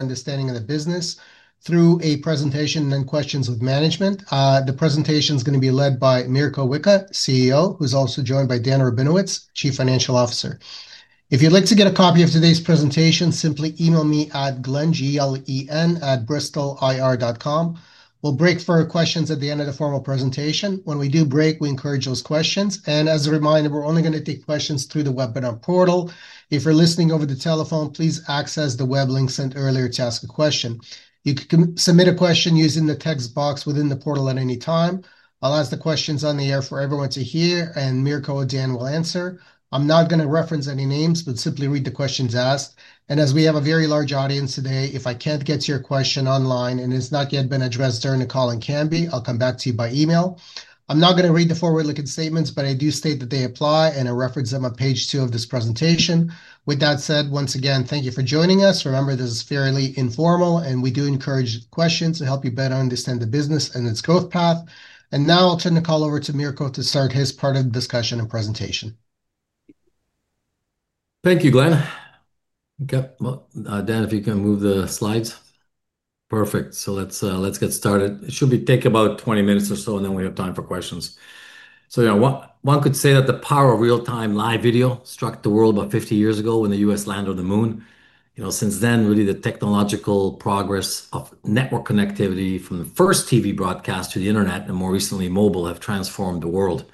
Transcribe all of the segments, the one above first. Understanding of the business through a presentation and then questions with management. The presentation is going to be led by Miroslav Wicha, CEO, who's also joined by Dan Rabinowitz, Chief Financial Officer. If you'd like to get a copy of today's presentation, simply email me at Glenn, G-L-E-N, at Bristol IR dot com. We'll break for questions at the end of the formal presentation. When we do break, we encourage those questions. As a reminder, we're only going to take questions through the webinar portal. If you're listening over the telephone, please access the web link sent earlier to ask a question. You can submit a question using the text box within the portal at any time. I'll ask the questions on the air for everyone to hear, and Miroslav and Dan will answer. I'm not going to reference any names, but simply read the questions asked. As we have a very large audience today, if I can't get to your question online and it's not yet been addressed during the call in Cambly, I'll come back to you by email. I'm not going to read the forward-looking statements, but I do state that they apply and I reference them on page two of this presentation. With that said, once again, thank you for joining us. Remember, this is fairly informal and we do encourage questions to help you better understand the business and its growth path. Now I'll turn the call over to Miroslav to start his part of the discussion and presentation. Thank you, Glenn. I've got Dan, if you can move the slides. Perfect. Let's get started. It should take about 20 minutes or so, and then we have time for questions. One could say that the power of real-time live video struck the world about 50 years ago when the U.S. landed on the moon. Since then, the technological progress of network connectivity from the first TV broadcast to the internet and more recently mobile have transformed the world.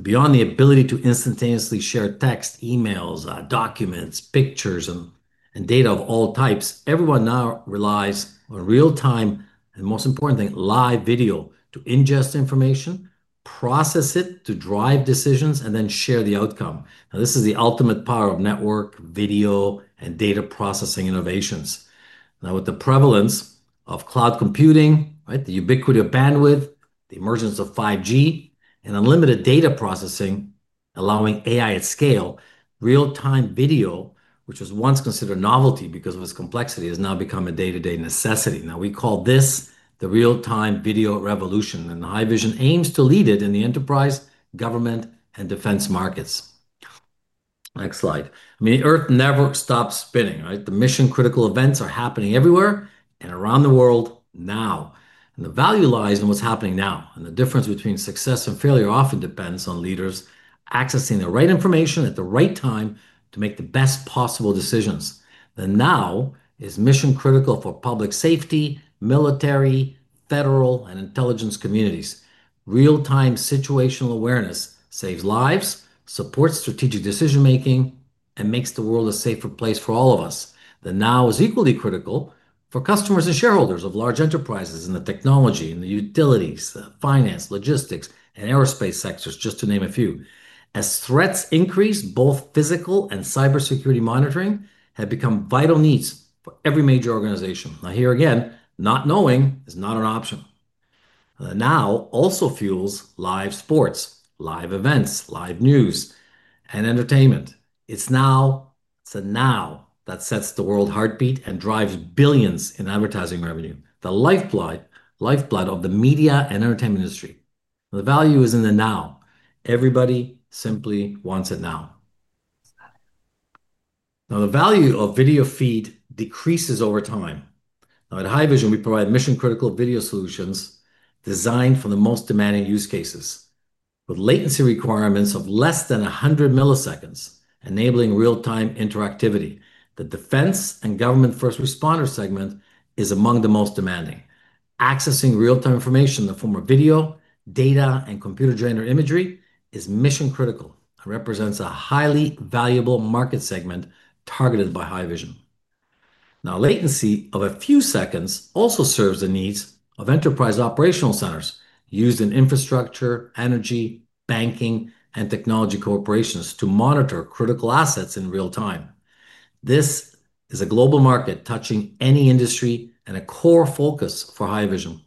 Beyond the ability to instantaneously share text, emails, documents, pictures, and data of all types, everyone now relies on real-time and, most importantly, live video to ingest information, process it to drive decisions, and then share the outcome. This is the ultimate power of network video and data processing innovations. With the prevalence of cloud computing, the ubiquity of bandwidth, the emergence of 5G, and unlimited data processing allowing AI at scale, real-time video, which was once considered a novelty because of its complexity, has now become a day-to-day necessity. We call this the real-time video revolution, and Haivision aims to lead it in the enterprise, government, and defense markets. Next slide. The earth never stops spinning, right? Mission-critical events are happening everywhere and around the world now. The value lies in what's happening now. The difference between success and failure often depends on leaders accessing the right information at the right time to make the best possible decisions. The now is mission-critical for public safety, military, federal, and intelligence communities. Real-time situational awareness saves lives, supports strategic decision-making, and makes the world a safer place for all of us. The now is equally critical for customers and shareholders of large enterprises in the technology, utilities, finance, logistics, and aerospace sectors, just to name a few. As threats increase, both physical and cybersecurity monitoring have become vital needs for every major organization. Here again, not knowing is not an option. The now also fuels live sports, live events, live news, and entertainment. It's now, it's a now that sets the world's heartbeat and drives billions in advertising revenue, the lifeblood of the media and entertainment industry. The value is in the now. Everybody simply wants it now. The value of video feed decreases over time. Now, at Haivision, we provide mission-critical video solutions designed for the most demanding use cases with latency requirements of less than 100 milliseconds, enabling real-time interactivity. The defense and government first responder segment is among the most demanding. Accessing real-time information in the form of video, data, and computer-generated imagery is mission-critical and represents a highly valuable market segment targeted by Haivision. Latency of a few seconds also serves the needs of enterprise operational centers used in infrastructure, energy, banking, and technology corporations to monitor critical assets in real time. This is a global market touching any industry and a core focus for Haivision.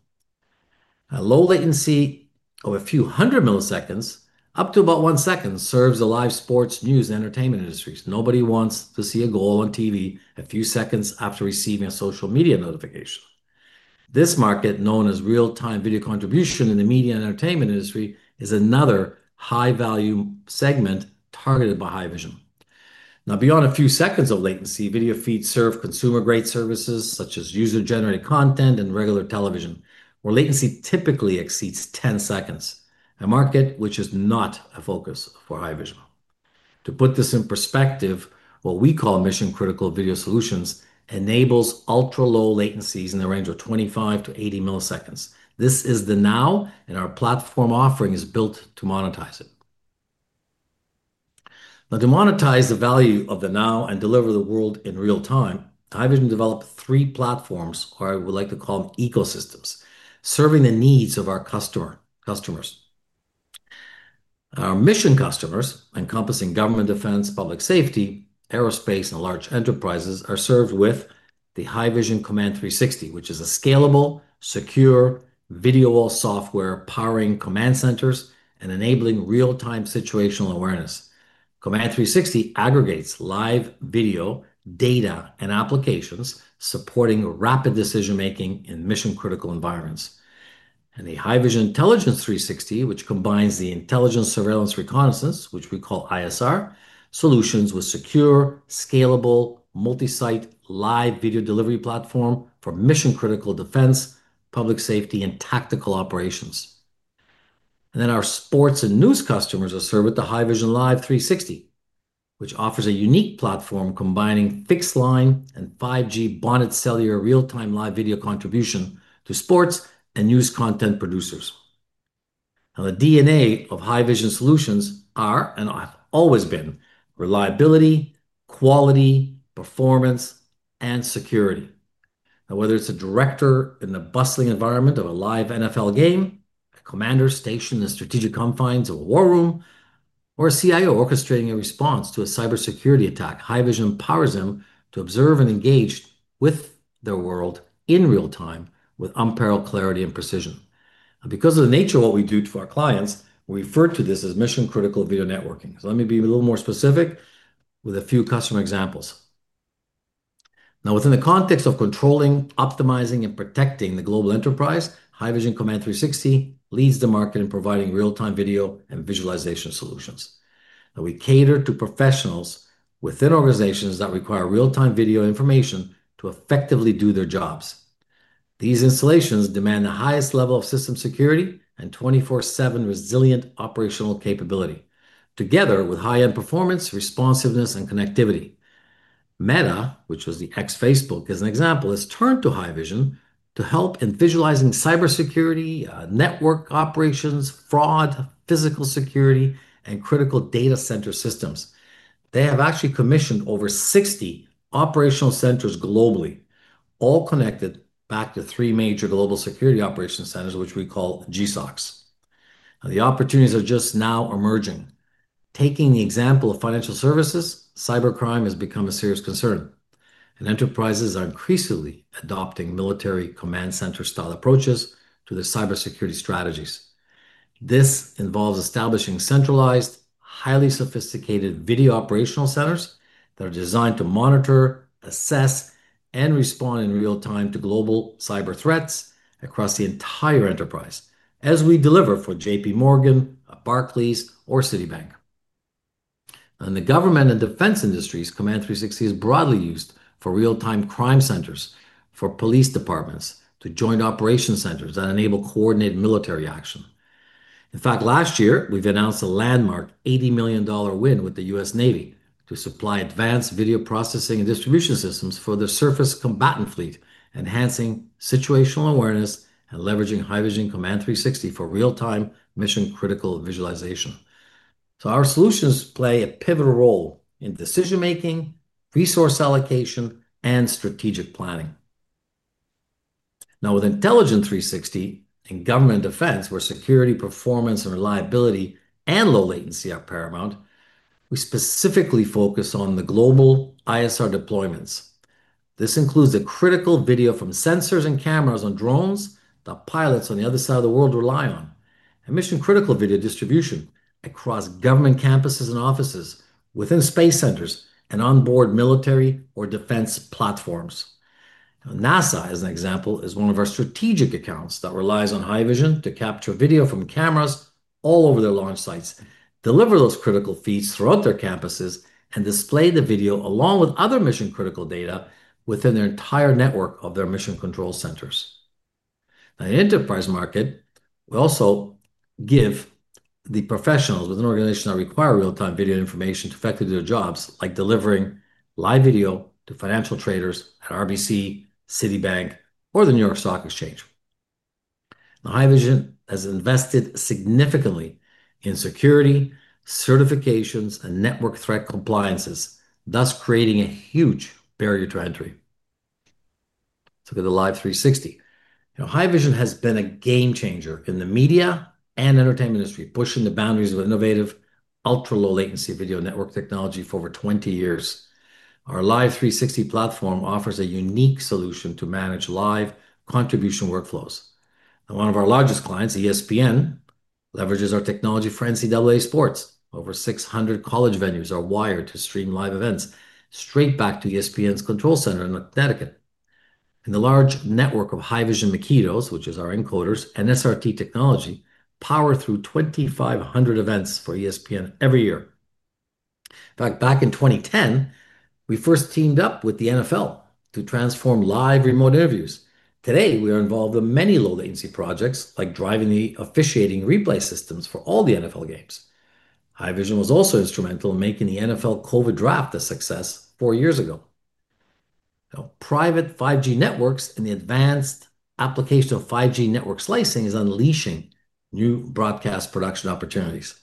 A low latency of a few hundred milliseconds, up to about one second, serves the live sports, news, and entertainment industries. Nobody wants to see a goal on TV a few seconds after receiving a social media notification. This market, known as real-time video contribution in the media and entertainment industry, is another high-value segment targeted by Haivision. Beyond a few seconds of latency, video feeds serve consumer-grade services such as user-generated content and regular television, where latency typically exceeds 10 seconds, a market which is not a focus for Haivision. To put this in perspective, what we call mission-critical video solutions enable ultra-low latencies in the range of 25 to 80 milliseconds. This is the now, and our platform offering is built to monetize it. To monetize the value of the now and deliver the world in real time, Haivision developed three platforms, or I would like to call them ecosystems, serving the needs of our customers. Our mission customers, encompassing government defense, public safety, aerospace, and large enterprises, are served with the Haivision Command 360, which is a scalable, secure video wall software powering command centers and enabling real-time situational awareness. Command 360 aggregates live video, data, and applications, supporting rapid decision-making in mission-critical environments. The Haivision Intelligence 360, which combines the intelligence, surveillance, reconnaissance, which we call ISR, solutions with secure, scalable, multi-site, live video delivery platform for mission-critical defense, public safety, and tactical operations. Our sports and news customers are served with the Haivision Live 360, which offers a unique platform combining fixed-line and 5G bonded cellular real-time live video contribution to sports and news content producers. The DNA of Haivision Solutions are, and have always been, reliability, quality, performance, and security. Whether it's a director in the bustling environment of a live NFL game, a commander stationed in strategic confines of a war room, or a CIO orchestrating a response to a cybersecurity attack, Haivision empowers them to observe and engage with their world in real time with unparalleled clarity and precision. Because of the nature of what we do for our clients, we refer to this as mission-critical video networking. Let me be a little more specific with a few customer examples. Within the context of controlling, optimizing, and protecting the global enterprise, Haivision Command 360 leads the market in providing real-time video and visualization solutions. We cater to professionals within organizations that require real-time video information to effectively do their jobs. These installations demand the highest level of system security and 24/7 resilient operational capability, together with high-end performance, responsiveness, and connectivity. Meta, which was the ex-Facebook as an example, has turned to Haivision to help in visualizing cybersecurity, network operations, fraud, physical security, and critical data center systems. They have actually commissioned over 60 operational centers globally, all connected back to three major global security operation centers, which we call GSOCs. The opportunities are just now emerging. Taking the example of financial services, cybercrime has become a serious concern, and enterprises are increasingly adopting military command center-style approaches to their cybersecurity strategies. This involves establishing centralized, highly sophisticated video operational centers that are designed to monitor, assess, and respond in real time to global cyber threats across the entire enterprise, as we deliver for JPMorgan, Barclays, or Citibank. In the government and defense industries, Command 360 is broadly used for real-time crime centers for police departments to joint operation centers that enable coordinated military action. In fact, last year, we've announced a landmark $80 million win with the U.S. Navy to supply advanced video processing and distribution systems for the surface combatant fleet, enhancing situational awareness and leveraging Haivision Command 360 for real-time mission-critical visualization. Our solutions play a pivotal role in decision-making, resource allocation, and strategic planning. Now, with Haivision Intelligence 360 in government defense, where security, performance, reliability, and low latency are paramount, we specifically focus on the global ISR deployments. This includes the critical video from sensors and cameras on drones that pilots on the other side of the world rely on, and mission-critical video distribution across government campuses and offices, within space centers, and onboard military or defense platforms. NASA, as an example, is one of our strategic accounts that relies on Haivision to capture video from cameras all over their launch sites, deliver those critical feeds throughout their campuses, and display the video along with other mission-critical data within their entire network of their mission control centers. In the enterprise market, we also give the professionals within organizations that require real-time video information to effectively do their jobs, like delivering live video to financial traders at RBC, Citibank, or the New York Stock Exchange. Haivision has invested significantly in security, certifications, and network threat compliances, thus creating a huge barrier to entry. Let's look at the Haivision Live 360. Haivision has been a game changer in the media and entertainment industry, pushing the boundaries of innovative ultra-low latency video network technology for over 20 years. Our Haivision Live 360 platform offers a unique solution to manage live contribution workflows. One of our largest clients, ESPN, leverages our technology for NCAA sports. Over 600 college venues are wired to stream live events straight back to ESPN's control center in Dedicut. The large network of Haivision Makito encoders and SRT streaming protocol technology power through 2,500 events for ESPN every year. In fact, back in 2010, we first teamed up with the NFL to transform live remote interviews. Today, we are involved in many low-latency projects, like driving the officiating replay systems for all the NFL games. Haivision was also instrumental in making the NFL COVID draft a success four years ago. Now, private 5G networks and the advanced application of 5G network slicing is unleashing new broadcast production opportunities.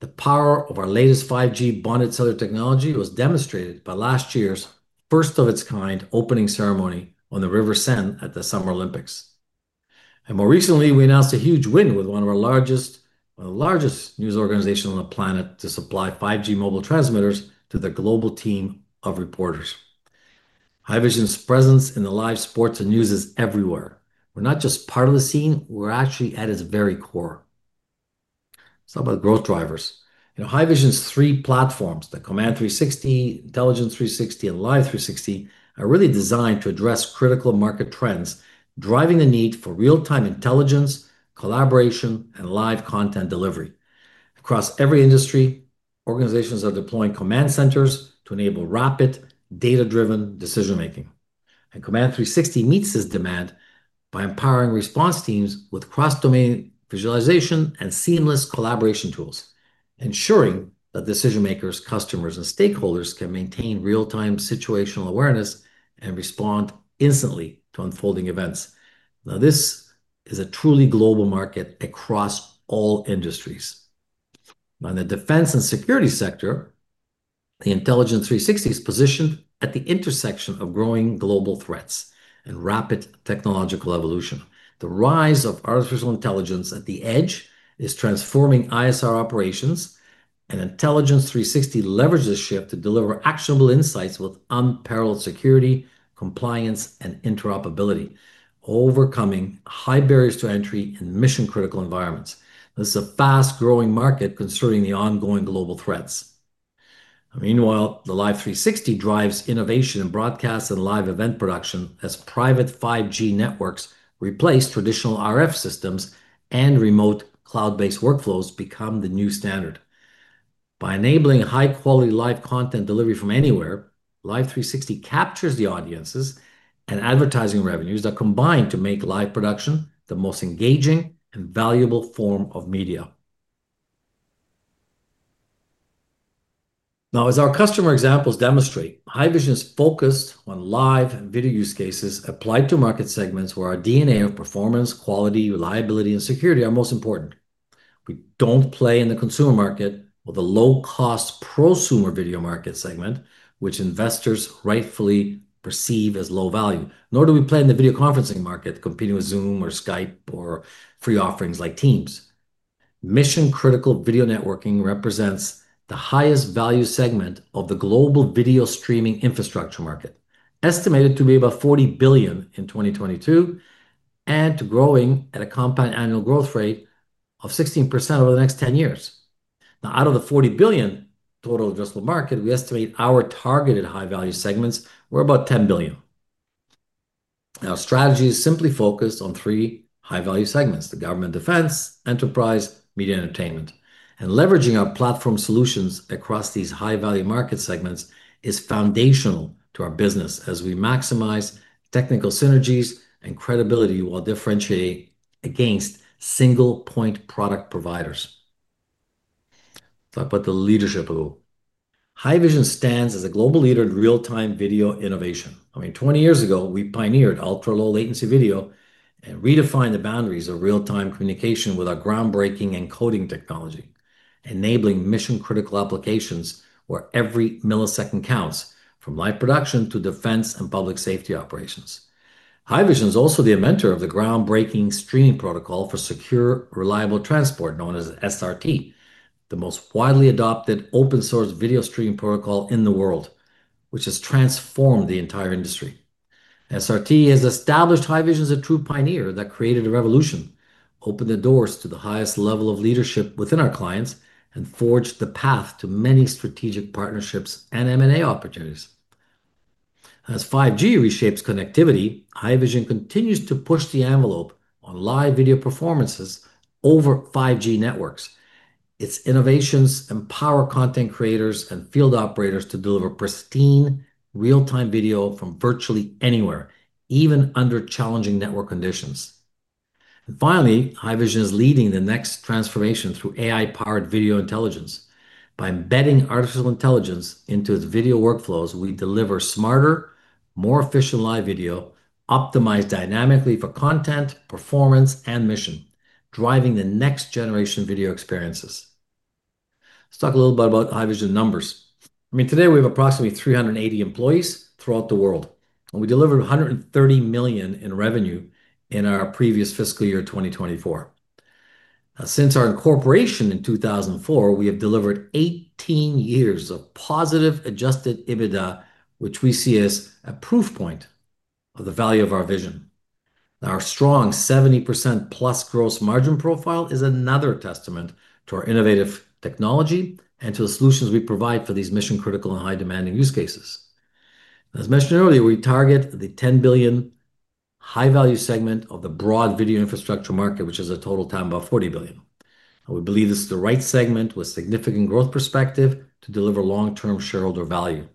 The power of our latest 5G bonded cellular technology was demonstrated by last year's first of its kind opening ceremony on the River Sen at the Summer Olympics. More recently, we announced a huge win with one of the largest news organizations on the planet to supply 5G mobile transmitters to the global team of reporters. Haivision's presence in live sports and news is everywhere. We're not just part of the scene. We're actually at its very core. Let's talk about the growth drivers. Haivision's three platforms, the Haivision Command 360, Haivision Intelligence 360, and Haivision Live 360, are really designed to address critical market trends, driving the need for real-time intelligence, collaboration, and live content delivery. Across every industry, organizations are deploying command centers to enable rapid, data-driven decision-making. Haivision Command 360 meets this demand by empowering response teams with cross-domain visualization and seamless collaboration tools, ensuring that decision-makers, customers, and stakeholders can maintain real-time situational awareness and respond instantly to unfolding events. This is a truly global market across all industries. In the defense and security sector, Haivision Intelligence 360 is positioned at the intersection of growing global threats and rapid technological evolution. The rise of AI at the edge is transforming ISR operations, and Haivision Intelligence 360 leverages this shift to deliver actionable insights with unparalleled security, compliance, and interoperability, overcoming high barriers to entry in mission-critical environments. This is a fast-growing market, considering the ongoing global threats. Meanwhile, Haivision Live 360 drives innovation in broadcast and live event production as private 5G networks replace traditional RF systems, and remote cloud-based workflows become the new standard. By enabling high-quality live content delivery from anywhere, Haivision Live 360 captures the audiences and advertising revenues that combine to make live production the most engaging and valuable form of media. As our customer examples demonstrate, Haivision's focus on live and video use cases applies to market segments where our DNA of performance, quality, reliability, and security are most important. We don't play in the consumer market or the low-cost prosumer video market segment, which investors rightfully perceive as low value, nor do we play in the video conferencing market, competing with Zoom or Skype or free offerings like Teams. Mission-critical video networking represents the highest value segment of the global video streaming infrastructure market, estimated to be about $40 billion in 2022 and to grow at a compound annual growth rate of 16% over the next 10 years. Now, out of the $40 billion total addressable market, we estimate our targeted high-value segments were about $10 billion. Our strategy is simply focused on three high-value segments: the government defense, enterprise, media, and entertainment. Leveraging our platform solutions across these high-value market segments is foundational to our business as we maximize technical synergies and credibility while differentiating against single-point product providers. Let's talk about the leadership role. Haivision stands as a global leader in real-time video innovation. I mean, 20 years ago, we pioneered ultra-low latency video and redefined the boundaries of real-time communication with our groundbreaking encoding technology, enabling mission-critical applications where every millisecond counts, from live production to defense and public safety operations. Haivision is also the inventor of the groundbreaking streaming protocol for secure, reliable transport known as SRT, the most widely adopted open-source video streaming protocol in the world, which has transformed the entire industry. SRT has established Haivision as a true pioneer that created a revolution, opened the doors to the highest level of leadership within our clients, and forged the path to many strategic partnerships and M&A opportunities. As 5G reshapes connectivity, Haivision continues to push the envelope on live video performances over 5G networks. Its innovations empower content creators and field operators to deliver pristine real-time video from virtually anywhere, even under challenging network conditions. Finally, Haivision is leading the next transformation through AI-powered video intelligence. By embedding artificial intelligence into its video workflows, we deliver smarter, more efficient live video, optimized dynamically for content, performance, and mission, driving the next-generation video experiences. Let's talk a little bit about Haivision numbers. I mean, today we have approximately 380 employees throughout the world, and we delivered $130 million in revenue in our previous fiscal year, 2024. Now, since our incorporation in 2004, we have delivered 18 years of positive adjusted EBITDA, which we see as a proof point of the value of our vision. Our strong 70%+ gross margin profile is another testament to our innovative technology and to the solutions we provide for these mission-critical and high-demanding use cases. As mentioned earlier, we target the $10 billion high-value segment of the broad video infrastructure market, which is a total TAM of about $40 billion. We believe this is the right segment with significant growth perspective to deliver long-term shareholder value.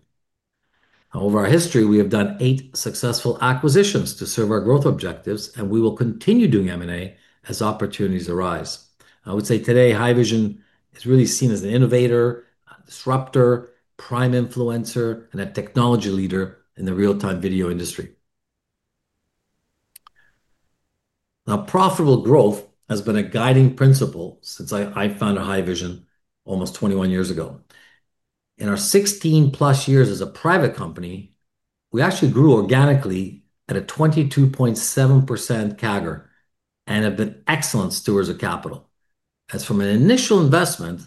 Over our history, we have done eight successful acquisitions to serve our growth objectives, and we will continue doing M&A as opportunities arise. I would say today, Haivision is really seen as an innovator, disruptor, prime influencer, and a technology leader in the real-time video industry. Profitable growth has been a guiding principle since I founded Haivision almost 21 years ago. In our 16+ years as a private company, we actually grew organically at a 22.7% CAGR and have been excellent stewards of capital. From an initial investment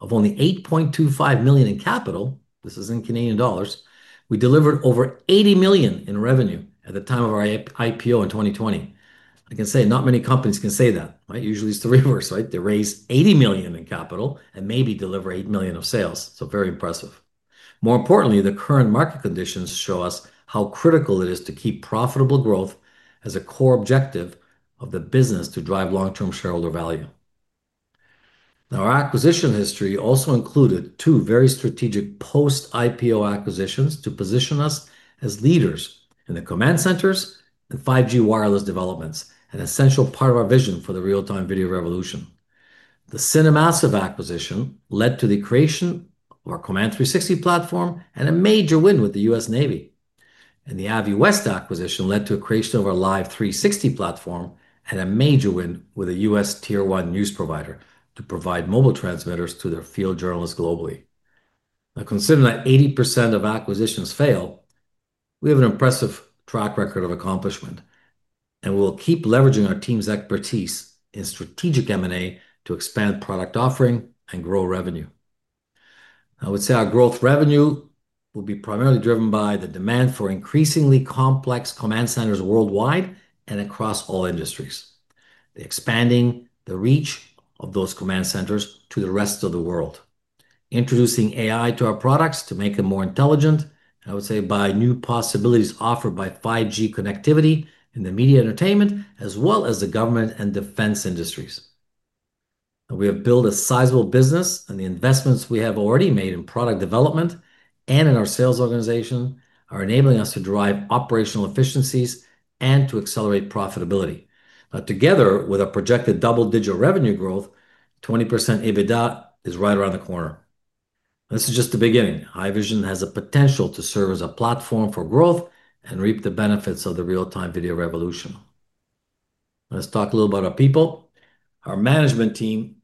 of only $8.25 million in capital, this is in Canadian dollars, we delivered over $80 million in revenue at the time of our IPO in 2020. I can say not many companies can say that, right? Usually, it's the reverse, right? They raise $80 million in capital and maybe deliver $8 million of sales. Very impressive. More importantly, the current market conditions show us how critical it is to keep profitable growth as a core objective of the business to drive long-term shareholder value. Our acquisition history also included two very strategic post-IPO acquisitions to position us as leaders in the command centers and 5G wireless developments, an essential part of our vision for the real-time video revolution. The Cinemassive acquisition led to the creation of our Haivision Command 360 platform and a major win with the U.S. Navy. The AVI West acquisition led to the creation of our Haivision Live 360 platform and a major win with a U.S. Tier 1 news provider to provide mobile transmitters to their field journalists globally. Now, considering that 80% of acquisitions fail, we have an impressive track record of accomplishment, and we will keep leveraging our team's expertise in strategic M&A to expand product offering and grow revenue. I would say our growth revenue will be primarily driven by the demand for increasingly complex command centers worldwide and across all industries, expanding the reach of those command centers to the rest of the world, introducing AI to our products to make them more intelligent, and I would say by new possibilities offered by 5G connectivity in the media entertainment as well as the government and defense industries. We have built a sizable business, and the investments we have already made in product development and in our sales organization are enabling us to drive operational efficiencies and to accelerate profitability. Together with our projected double-digit revenue growth, 20% EBITDA is right around the corner. This is just the beginning. Haivision has the potential to serve as a platform for growth and reap the benefits of the real-time video revolution. Let's talk a little about our people. Our management team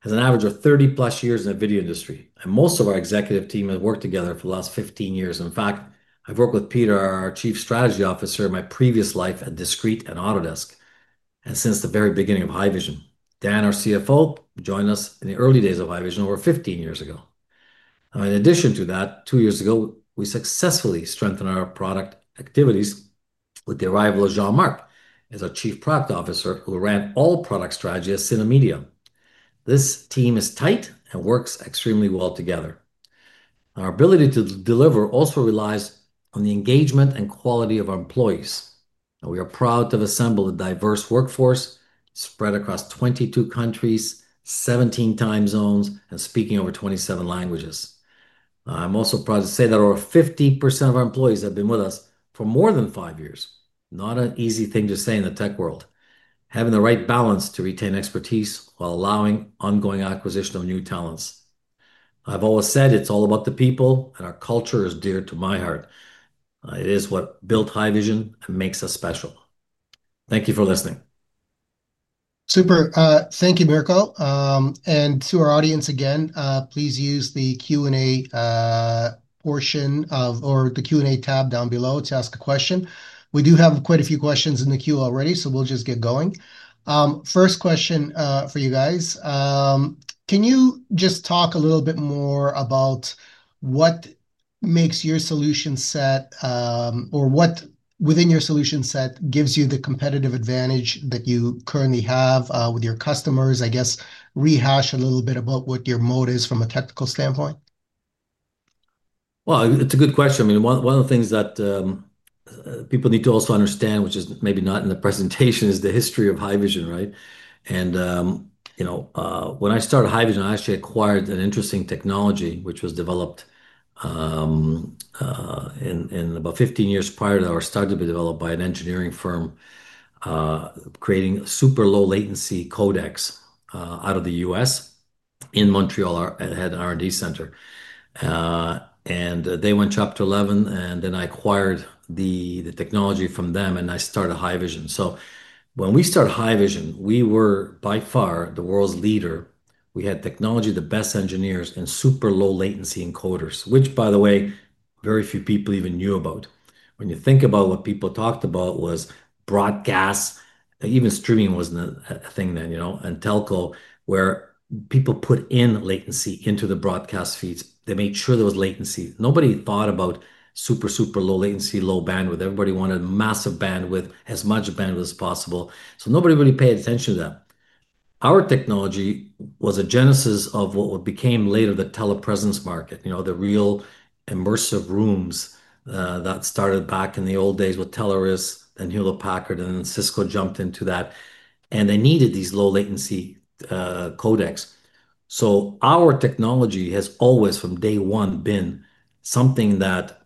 has an average of 30-plus years in the video industry, and most of our executive team has worked together for the last 15 years. In fact, I've worked with Peter, our Chief Strategy Officer, in my previous life at Discrete and Autodesk, and since the very beginning of Haivision. Dan, our CFO, joined us in the early days of Haivision over 15 years ago. In addition to that, two years ago, we successfully strengthened our product activities with the arrival of Jean-Marc as our Chief Product Officer, who ran all product strategy at CineMedia. This team is tight and works extremely well together. Our ability to deliver also relies on the engagement and quality of our employees. We are proud to have assembled a diverse workforce spread across 22 countries, 17 time zones, and speaking over 27 languages. I'm also proud to say that over 50% of our employees have been with us for more than five years. Not an easy thing to say in the tech world. Having the right balance to retain expertise while allowing ongoing acquisition of new talents. I've always said it's all about the people, and our culture is dear to my heart. It is what built Haivision and makes us special. Thank you for listening. Super. Thank you, Miroslav. To our audience again, please use the Q&A portion or the Q&A tab down below to ask a question. We do have quite a few questions in the queue already, so we'll just get going. First question for you guys, can you just talk a little bit more about what makes your solution set, or what within your solution set gives you the competitive advantage that you currently have with your customers? I guess rehash a little bit about what your moat is from a technical standpoint. It's a good question. One of the things that people need to also understand, which is maybe not in the presentation, is the history of Haivision, right? You know, when I started Haivision, I actually acquired an interesting technology, which was developed about 15 years prior to our start, developed by an engineering firm creating super low latency codecs out of the U.S. in Montreal. I had an R&D center, and they went Chapter 11, and then I acquired the technology from them, and I started Haivision. When we started Haivision, we were by far the world's leader. We had technology, the best engineers, and super low latency encoders, which, by the way, very few people even knew about. When you think about what people talked about, it was broadcast. Even streaming wasn't a thing then, you know, and telco, where people put in latency into the broadcast feeds. They made sure there was latency. Nobody thought about super, super low latency, low bandwidth. Everybody wanted massive bandwidth, as much bandwidth as possible. Nobody really paid attention to that. Our technology was a genesis of what became later the telepresence market, you know, the real immersive rooms that started back in the old days with Telluris and Hewlett-Packard, and then Cisco jumped into that, and they needed these low latency codecs. Our technology has always, from day one, been something that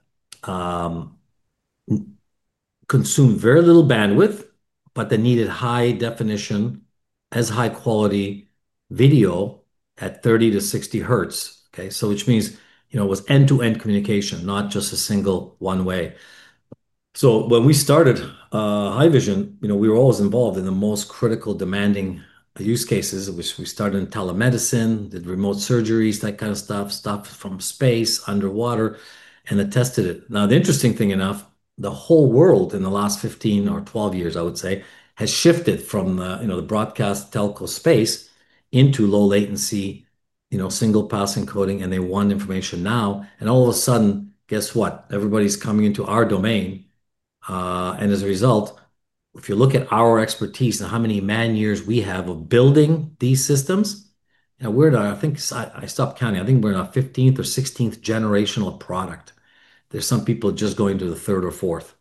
consumed very little bandwidth, but they needed high definition, as high quality video at 30 to 60 Hertz, okay? Which means, you know, it was end-to-end communication, not just a single one-way. When we started Haivision, we were always involved in the most critical demanding use cases, which we started in telemedicine, did remote surgeries, that kind of stuff, stuff from space, underwater, and I tested it. The interesting thing enough, the whole world in the last 15 or 12 years, I would say, has shifted from the broadcast telco space into low latency, you know, single pass encoding, and they want information now. All of a sudden, guess what? Everybody's coming into our domain. As a result, if you look at our expertise and how many man-years we have of building these systems, now we're in our, I think I stopped counting. I think we're in our 15th or 16th generation of product. There are some people just going to the third or fourth.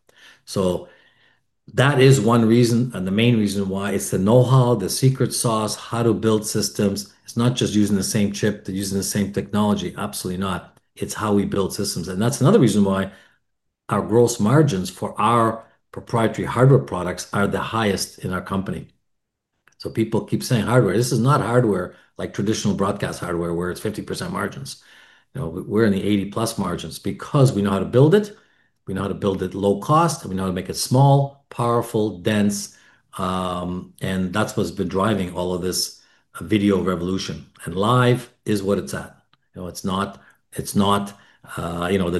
That is one reason, and the main reason why it's the know-how, the secret sauce, how to build systems. It's not just using the same chip, they're using the same technology. Absolutely not. It's how we build systems. That's another reason why our gross margins for our proprietary hardware products are the highest in our company. People keep saying hardware. This is not hardware like traditional broadcast hardware where it's 50% margins. We're in the 80% plus margins because we know how to build it. We know how to build it low cost. We know how to make it small, powerful, dense. That's what's been driving all of this video revolution. Live is what it's at. It's not the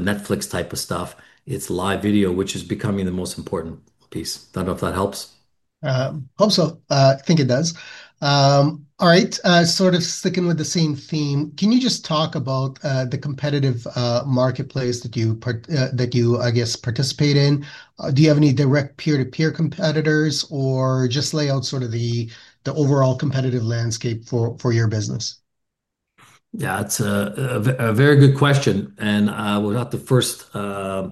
Netflix type of stuff. It's live video, which is becoming the most important piece. I don't know if that helps. Hope so. I think it does. All right. Sort of sticking with the same theme, can you just talk about the competitive marketplace that you participate in? Do you have any direct peer-to-peer competitors or just lay out sort of the overall competitive landscape for your business? Yeah, that's a very good question. We're not the first to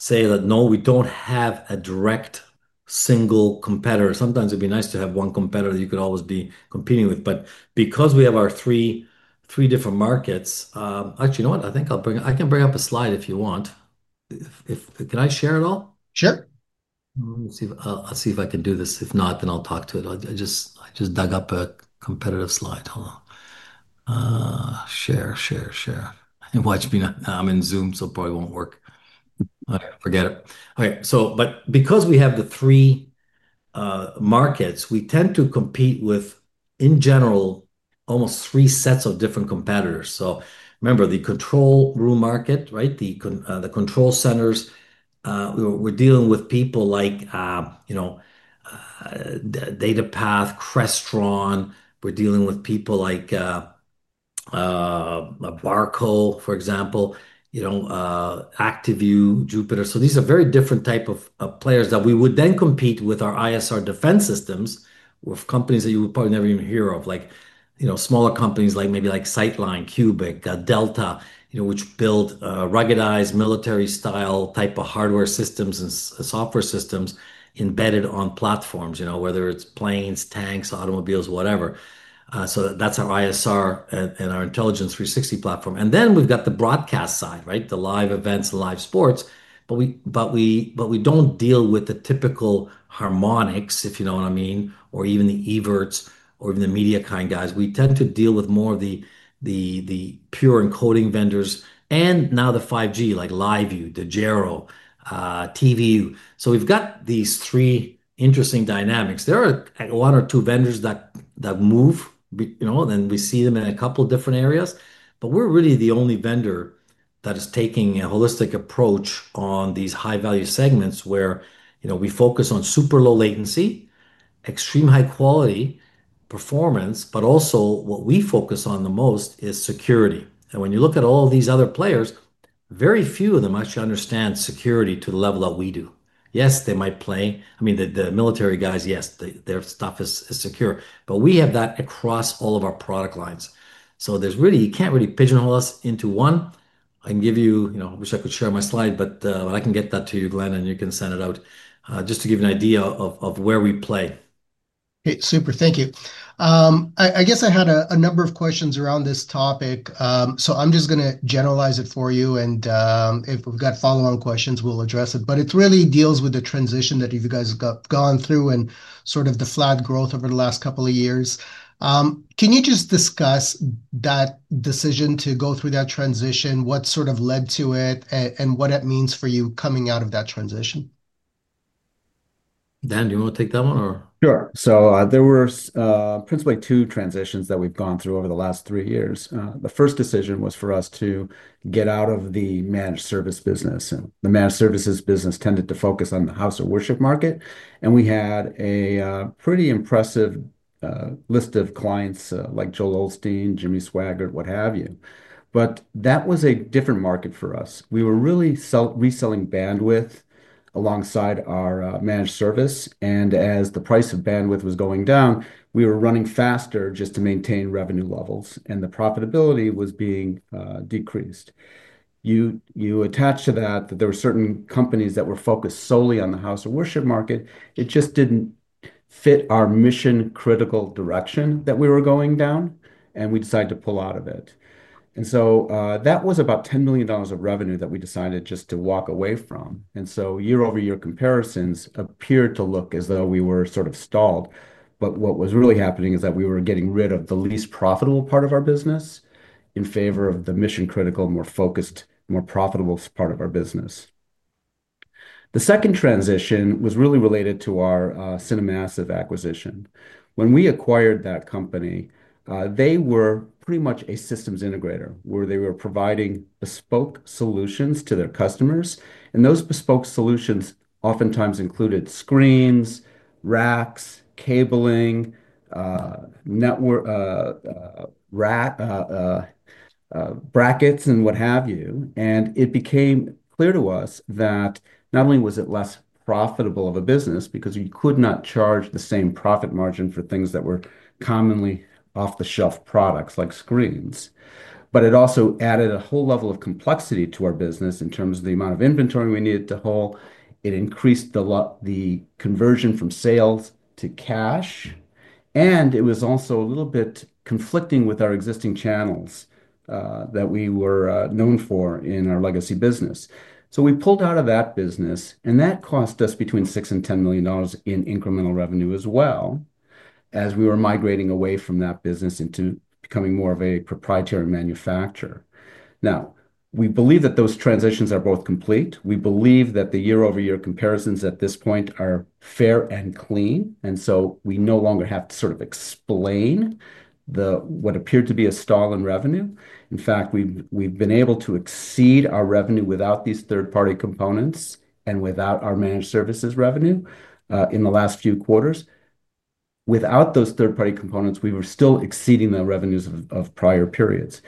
say that, no, we don't have a direct single competitor. Sometimes it'd be nice to have one competitor that you could always be competing with because we have our three different markets. Actually, you know what? I think I'll bring up, I can bring up a slide if you want. Can I share it all? Sure. Let's see if I can do this. If not, then I'll talk to it. I just dug up a competitive slide. Hold on. Share, share, share. Watch me, I'm in Zoom, so it probably won't work. All right, forget it. Because we have the three markets, we tend to compete with, in general, almost three sets of different competitors. Remember the control room market, right? The control centers, we're dealing with people like DataPath, Crestron. We're dealing with people like Barco, for example, Actiview, Jupiter. These are very different types of players that we would then compete with our ISR defense systems with companies that you would probably never even hear of, like smaller companies like maybe SiteLine, Cubic, Delta, which build ruggedized military-style type of hardware systems and software systems embedded on platforms, whether it's planes, tanks, automobiles, whatever. That's our ISR and our Haivision Intelligence 360 platform. Then we've got the broadcast side, the live events, the live sports. We don't deal with the typical Harmonic, if you know what I mean, or even the Evertz or even the MediaKind guys. We tend to deal with more of the pure encoding vendors and now the 5G, like LiveU, Dejero, TVU. We've got these three interesting dynamics. There are one or two vendors that move, and we see them in a couple of different areas. We're really the only vendor that is taking a holistic approach on these high-value segments where we focus on super low latency, extreme high-quality performance, but also what we focus on the most is security. When you look at all these other players, very few of them actually understand security to the level that we do. Yes, they might play. The military guys, yes, their stuff is secure. We have that across all of our product lines. You can't really pigeonhole us into one. I can give you, I wish I could share my slide, but I can get that to you, Glenn, and you can send it out just to give you an idea of where we play. Okay, super. Thank you. I guess I had a number of questions around this topic. I'm just going to generalize it for you, and if we've got follow-on questions, we'll address it. It really deals with the transition that you guys have gone through and sort of the flat growth over the last couple of years. Can you just discuss that decision to go through that transition, what sort of led to it, and what it means for you coming out of that transition? Dan, do you want to take that one? Sure. There were principally two transitions that we've gone through over the last three years. The first decision was for us to get out of the managed services business. The managed services business tended to focus on the house of worship market. We had a pretty impressive list of clients like Joel Osteen, Jimmy Swaggart, what have you. That was a different market for us. We were really reselling bandwidth alongside our managed services. As the price of bandwidth was going down, we were running faster just to maintain revenue levels, and the profitability was being decreased. You attach to that that there were certain companies that were focused solely on the house of worship market. It just didn't fit our mission-critical direction that we were going down, and we decided to pull out of it. That was about $10 million of revenue that we decided just to walk away from. Year-over-year comparisons appeared to look as though we were sort of stalled. What was really happening is that we were getting rid of the least profitable part of our business in favor of the mission-critical, more focused, more profitable part of our business. The second transition was really related to our Cinemassive acquisition. When we acquired that company, they were pretty much a systems integrator where they were providing bespoke systems integration to their customers. Those bespoke solutions oftentimes included screens, racks, cabling, brackets, and what have you. It became clear to us that not only was it less profitable of a business because you could not charge the same profit margin for things that were commonly off-the-shelf products like screens, but it also added a whole level of complexity to our business in terms of the amount of inventory we needed to haul. It increased the conversion from sales to cash, and it was also a little bit conflicting with our existing channels that we were known for in our legacy business. We pulled out of that business, and that cost us between $6 million and $10 million in incremental revenue as well as we were migrating away from that business into becoming more of a proprietary manufacturer. We believe that those transitions are both complete. We believe that the year-over-year comparisons at this point are fair and clean. We no longer have to sort of explain what appeared to be a stall in revenue. In fact, we've been able to exceed our revenue without these third-party components and without our managed services revenue in the last few quarters. Without those third-party components, we were still exceeding the revenues of prior periods.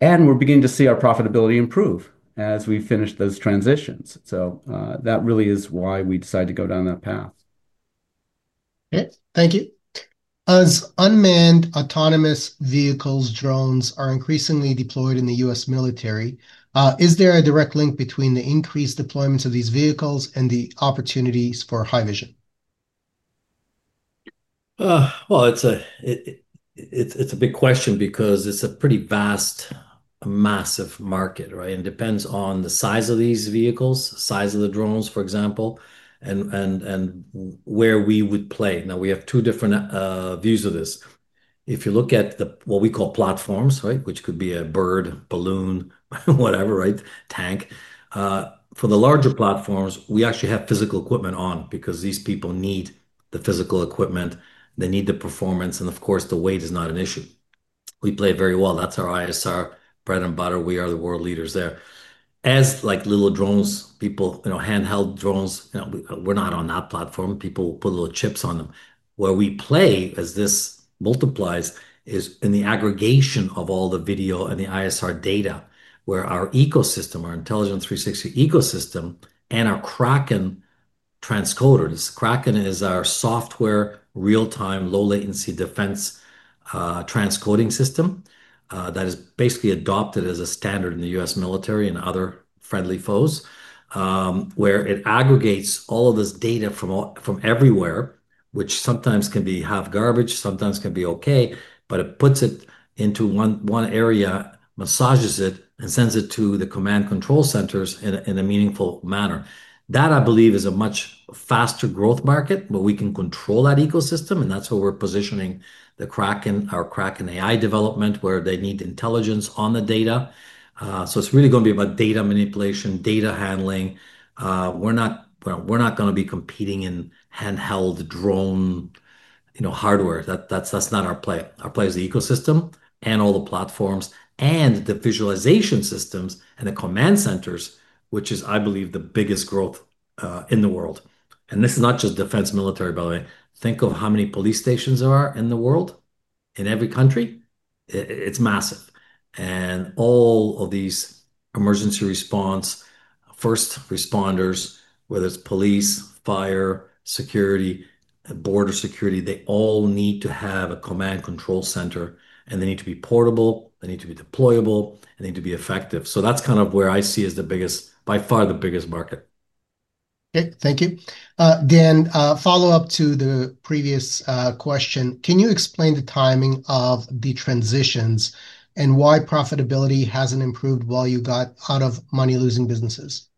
We're beginning to see our profitability improve as we finish those transitions. That really is why we decided to go down that path. Thank you. As unmanned autonomous vehicles and drones are increasingly deployed in the U.S. military, is there a direct link between the increased deployments of these vehicles and the opportunities for Haivision? It's a big question because it's a pretty vast, massive market, right? It depends on the size of these vehicles, the size of the drones, for example, and where we would play. We have two different views of this. If you look at what we call platforms, which could be a bird, balloon, whatever, tank. For the larger platforms, we actually have physical equipment on because these people need the physical equipment. They need the performance, and of course, the weight is not an issue. We play very well. That's our ISR bread and butter. We are the world leaders there. As little drones, people, you know, handheld drones, you know, we're not on that platform. People will put little chips on them. Where we play as this multiplies is in the aggregation of all the video and the ISR data where our ecosystem, our Haivision Intelligence 360 ecosystem, and our Kraken transcoder. This Kraken is our software real-time low latency defense transcoding system that is basically adopted as a standard in the U.S. military and other friendly foes, where it aggregates all of this data from everywhere, which sometimes can be half garbage, sometimes can be okay, but it puts it into one area, massages it, and sends it to the command control centers in a meaningful manner. That, I believe, is a much faster growth market where we can control that ecosystem, and that's where we're positioning the Kraken, our Kraken AI development, where they need intelligence on the data. It's really going to be about data manipulation, data handling. We're not going to be competing in handheld drone hardware. That's not our play. Our play is the ecosystem and all the platforms and the visualization systems and the command centers, which is, I believe, the biggest growth in the world. This is not just defense military, by the way. Think of how many police stations there are in the world, in every country. It's massive. All of these emergency response, first responders, whether it's police, fire, security, border security, they all need to have a command control center, and they need to be portable, they need to be deployable, and they need to be effective. That's kind of where I see as the biggest, by far the biggest market. Okay, thank you. A follow-up to the previous question. Can you explain the timing of the transitions and why profitability hasn't improved while you got out of money-losing businesses?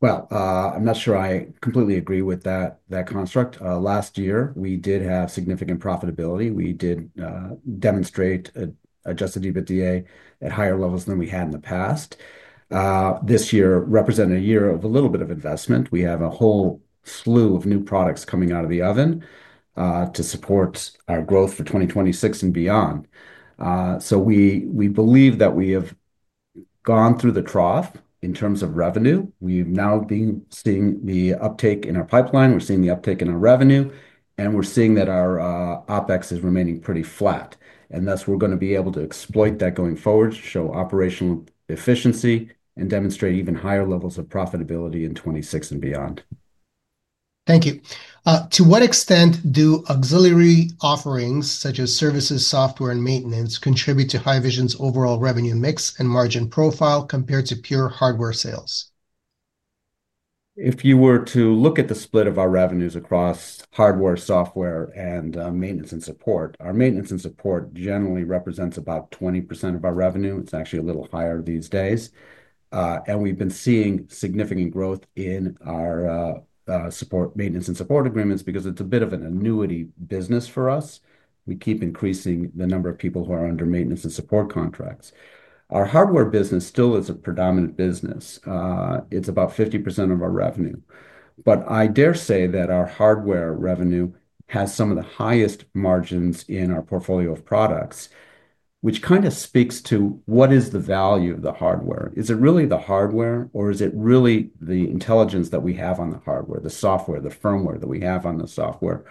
I'm not sure I completely agree with that construct. Last year, we did have significant profitability. We did demonstrate adjusted EBITDA at higher levels than we had in the past. This year represented a year of a little bit of investment. We have a whole slew of new products coming out of the oven to support our growth for 2026 and beyond. We believe that we have gone through the trough in terms of revenue. We've now been seeing the uptake in our pipeline. We're seeing the uptake in our revenue, and we're seeing that our OpEx is remaining pretty flat. Thus, we're going to be able to exploit that going forward, show operational efficiency, and demonstrate even higher levels of profitability in 2026 and beyond. Thank you. To what extent do auxiliary offerings such as services, software, and maintenance contribute to Haivision's overall revenue mix and margin profile compared to pure hardware sales? If you were to look at the split of our revenues across hardware, software, and maintenance and support, our maintenance and support generally represents about 20% of our revenue. It's actually a little higher these days. We've been seeing significant growth in our support, maintenance, and support agreements because it's a bit of an annuity business for us. We keep increasing the number of people who are under maintenance and support contracts. Our hardware business still is a predominant business. It's about 50% of our revenue. I dare say that our hardware revenue has some of the highest margins in our portfolio of products, which kind of speaks to what is the value of the hardware? Is it really the hardware, or is it really the intelligence that we have on the hardware, the software, the firmware that we have on the software?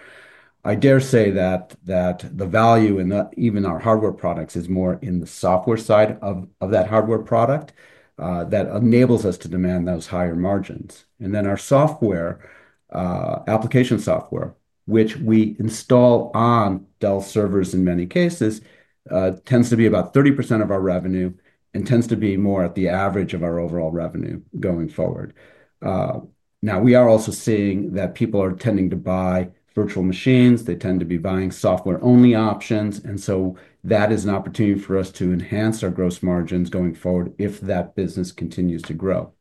I dare say that the value in even our hardware products is more in the software side of that hardware product that enables us to demand those higher margins. Then our software, application software, which we install on Dell servers in many cases, tends to be about 30% of our revenue and tends to be more at the average of our overall revenue going forward. We are also seeing that people are tending to buy virtual machines. They tend to be buying software-only options. That is an opportunity for us to enhance our gross margins going forward if that business continues to grow.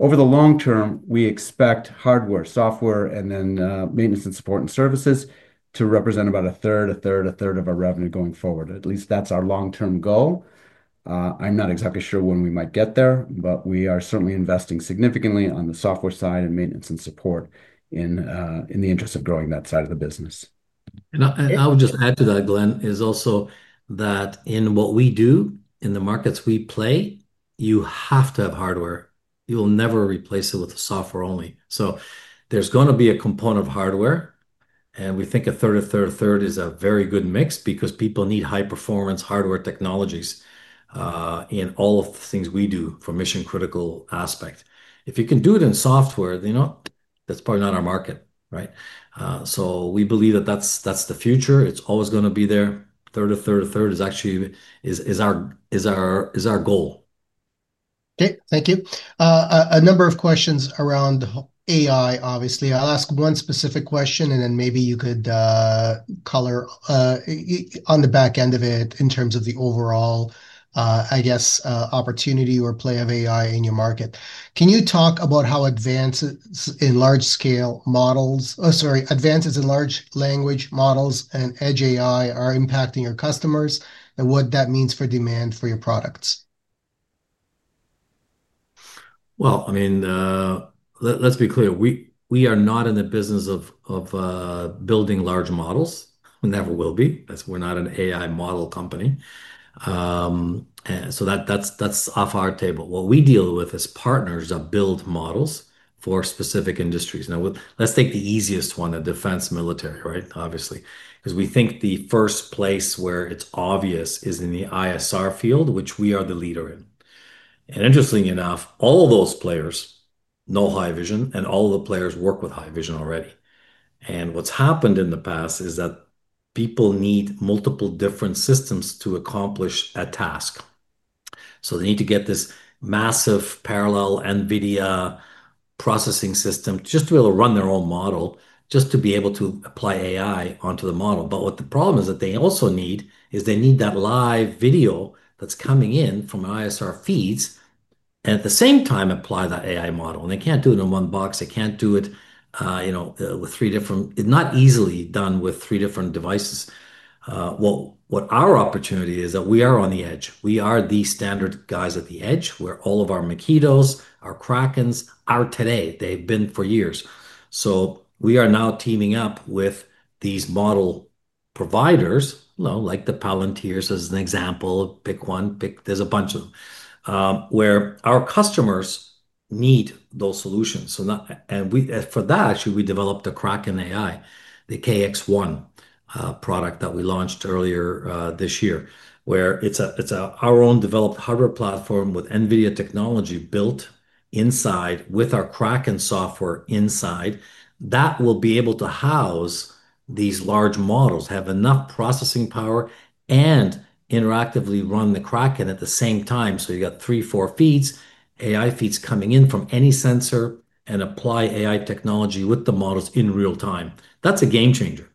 Over the long term, we expect hardware, software, and then maintenance and support and services to represent about a third, a third, a third of our revenue going forward. At least that's our long-term goal. I'm not exactly sure when we might get there, but we are certainly investing significantly on the software side and maintenance and support in the interest of growing that side of the business. I would just add to that, Glenn, also that in what we do, in the markets we play, you have to have hardware. You'll never replace it with software only. There's going to be a component of hardware, and we think a third, a third, a third is a very good mix because people need high-performance hardware technologies in all of the things we do for mission-critical aspects. If you can do it in software, you know, that's probably not our market, right? We believe that that's the future. It's always going to be there. A third, a third, a third is actually our goal. Okay, thank you. A number of questions around AI, obviously. I'll ask one specific question, and then maybe you could color on the back end of it in terms of the overall, I guess, opportunity or play of AI in your market. Can you talk about how advances in large language models and AI at the edge are impacting your customers and what that means for demand for your products? Let’s be clear. We are not in the business of building large models. We never will be. We're not an AI model company. That's off our table. What we deal with is partners that build models for specific industries. Now, let's take the easiest one, the defense military, right? Obviously, because we think the first place where it's obvious is in the ISR field, which we are the leader in. Interestingly enough, all of those players know Haivision, and all of the players work with Haivision already. What's happened in the past is that people need multiple different systems to accomplish a task. They need to get this massive parallel NVIDIA processing system just to be able to run their own model, just to be able to apply AI onto the model. The problem is that they also need that live video that's coming in from ISR feeds and at the same time apply that AI model. They can't do it in one box. They can't do it, you know, with three different... It's not easily done with three different devices. Our opportunity is that we are on the edge. We are the standard guys at the edge where all of our Makitos, our Krakens, are today. They've been for years. We are now teaming up with these model providers, you know, like the Palantirs as an example. Pick one, pick... There's a bunch of them where our customers need those solutions. For that, actually, we developed the Kraken AI, the KX1 product that we launched earlier this year, where it's our own developed hardware platform with NVIDIA technology built inside with our Kraken software inside that will be able to house these large models, have enough processing power, and interactively run the Kraken at the same time. You've got three, four feeds, AI feeds coming in from any sensor and apply AI technology with the models in real time. That's a game changer.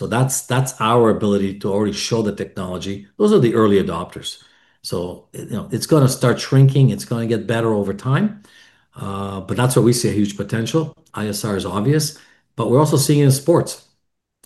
That's our ability to already show the technology. Those are the early adopters. It's going to start shrinking. It's going to get better over time. That's where we see a huge potential. ISR is obvious. We're also seeing it in sports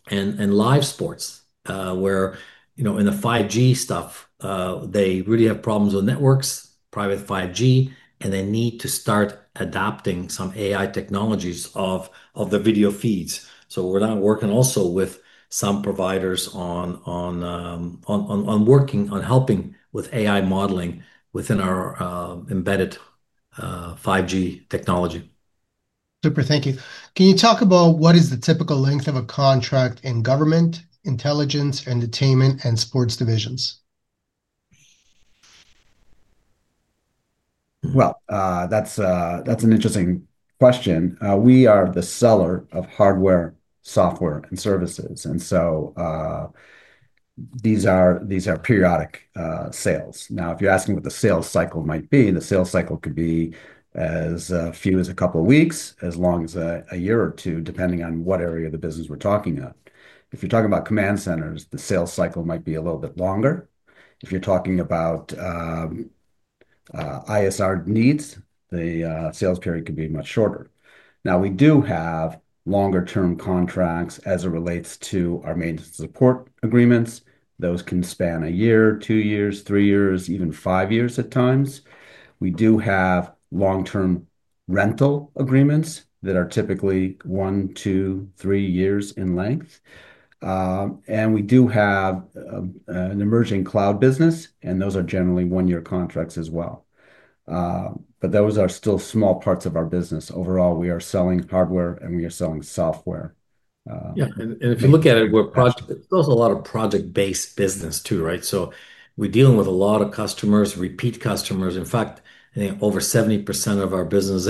and live sports, where, you know, in the 5G stuff, they really have problems with networks, private 5G, and they need to start adapting some AI technologies of their video feeds. We're now working also with some providers on working on helping with AI modeling within our embedded 5G technology. Super. Thank you. Can you talk about what is the typical length of a contract in government, intelligence, entertainment, and sports divisions? That's an interesting question. We are the seller of hardware, software, and services, so these are periodic sales. Now, if you're asking what the sales cycle might be, the sales cycle could be as few as a couple of weeks or as long as a year or two, depending on what area of the business we're talking about. If you're talking about command centers, the sales cycle might be a little bit longer. If you're talking about ISR needs, the sales period could be much shorter. We do have longer-term contracts as it relates to our maintenance/support agreements. Those can span a year, two years, three years, even five years at times. We do have long-term rental agreements that are typically one, two, or three years in length. We do have an emerging cloud business, and those are generally one-year contracts as well. Those are still small parts of our business. Overall, we are selling hardware and we are selling software. Yeah, and if you look at it, we're a lot of project-based business too, right? We're dealing with a lot of customers, repeat customers. In fact, I think over 70% of our business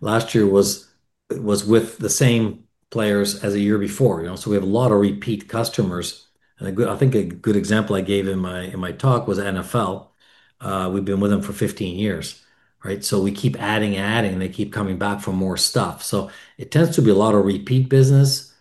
last year was with the same players as a year before. We have a lot of repeat customers. I think a good example I gave in my talk was NFL. We've been with them for 15 years, right? We keep adding and adding, and they keep coming back for more stuff. It tends to be a lot of repeat business.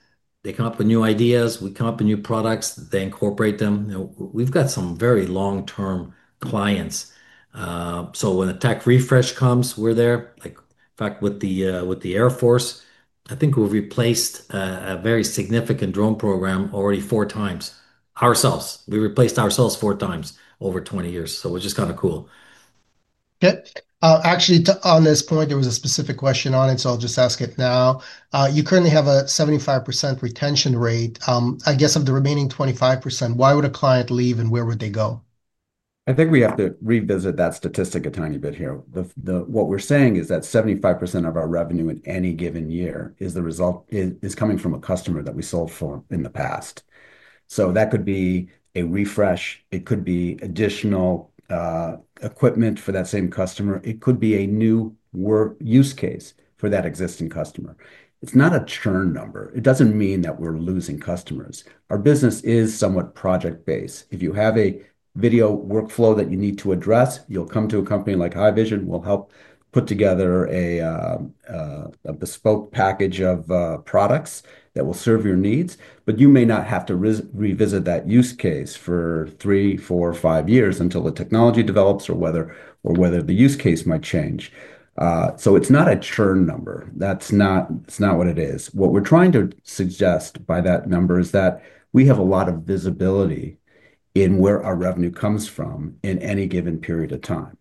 They come up with new ideas. We come up with new products. They incorporate them. We've got some very long-term clients. When a tech refresh comes, we're there. In fact, with the Air Force, I think we've replaced a very significant drone program already four times ourselves. We replaced ourselves four times over 20 years. We're just kind of cool. Okay. Actually, on this point, there was a specific question on it, so I'll just ask it now. You currently have a 75% retention rate. I guess of the remaining 25%, why would a client leave and where would they go? I think we have to revisit that statistic a tiny bit here. What we're saying is that 75% of our revenue in any given year is coming from a customer that we sold for in the past. That could be a refresh, it could be additional equipment for that same customer, or it could be a new work use case for that existing customer. It's not a churn number. It doesn't mean that we're losing customers. Our business is somewhat project-based. If you have a video workflow that you need to address, you'll come to a company like Haivision Systems Inc. We'll help put together a bespoke package of products that will serve your needs, but you may not have to revisit that use case for three, four, or five years until the technology develops or whether the use case might change. It's not a churn number. That's not what it is. What we're trying to suggest by that number is that we have a lot of visibility in where our revenue comes from in any given period of time.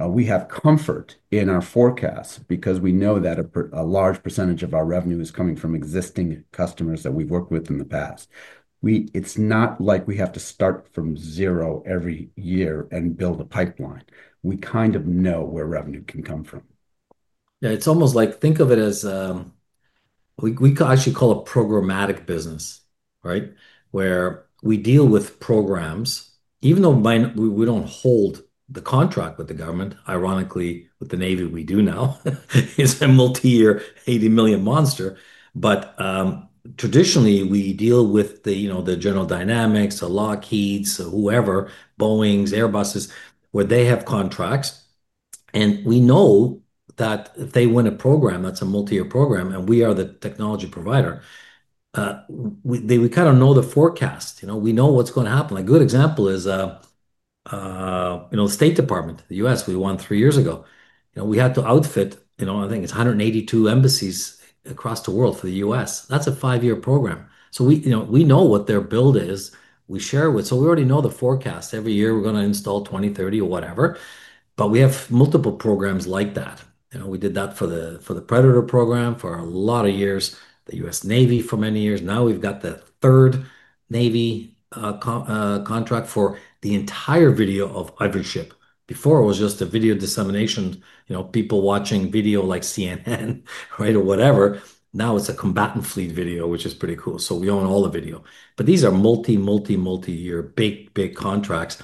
We have comfort in our forecasts because we know that a large percentage of our revenue is coming from existing customers that we've worked with in the past. It's not like we have to start from zero every year and build a pipeline. We kind of know where revenue can come from. Yeah, it's almost like, think of it as, we actually call it a programmatic business, right? Where we deal with programs, even though we don't hold the contract with the government. Ironically, with the U.S. Navy, we do now. It's a multi-year $80 million monster. Traditionally, we deal with the General Dynamics, the Lockheeds, whoever, Boeings, Airbus Defense and Space, where they have contracts. We know that they win a program that's a multi-year program, and we are the technology provider. We kind of know the forecasts. We know what's going to happen. A good example is the State Department, the U.S., we won three years ago. We had to outfit, I think it's 182 embassies across the world for the U.S. That's a five-year program. We know what their build is. We share it with them. We already know the forecast. Every year, we're going to install 20, 30, or whatever. We have multiple programs like that. We did that for the Predator program for a lot of years, the U.S. Navy for many years. Now we've got the third Navy contract for the entire video of every ship. Before, it was just video dissemination, people watching video like CNN or whatever. Now it's a combatant fleet video, which is pretty cool. We own all the video. These are multi, multi, multi-year, big, big contracts.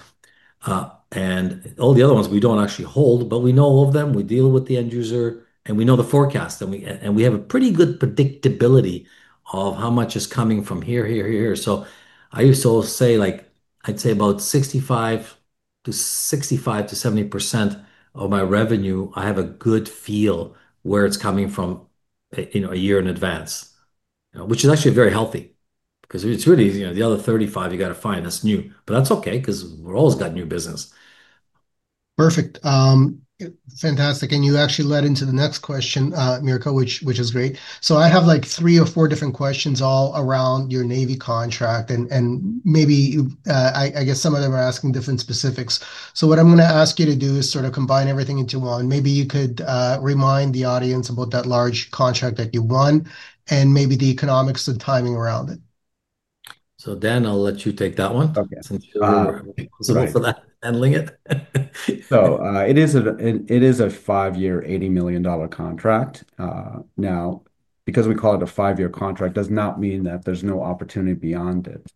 All the other ones we don't actually hold, but we know all of them. We deal with the end user, and we know the forecast. We have a pretty good predictability of how much is coming from here, here, here, here. I used to say, like, I'd say about 65% to 70% of my revenue, I have a good feel where it's coming from a year in advance, which is actually very healthy because it's really the other 35% you got to find that's new. That's okay because we've always got new business. Perfect. Fantastic. You actually led into the next question, Miroslav, which is great. I have like three or four different questions all around your U.S. Navy contract, and maybe I guess some of them are asking different specifics. What I'm going to ask you to do is sort of combine everything into one. Maybe you could remind the audience about that large contract that you run and maybe the economics and timing around it. Dan, I'll let you take that one. Okay, thank you. That's the ending it. It is a five-year, $80 million contract. Because we call it a five-year contract, it does not mean that there's no opportunity beyond it.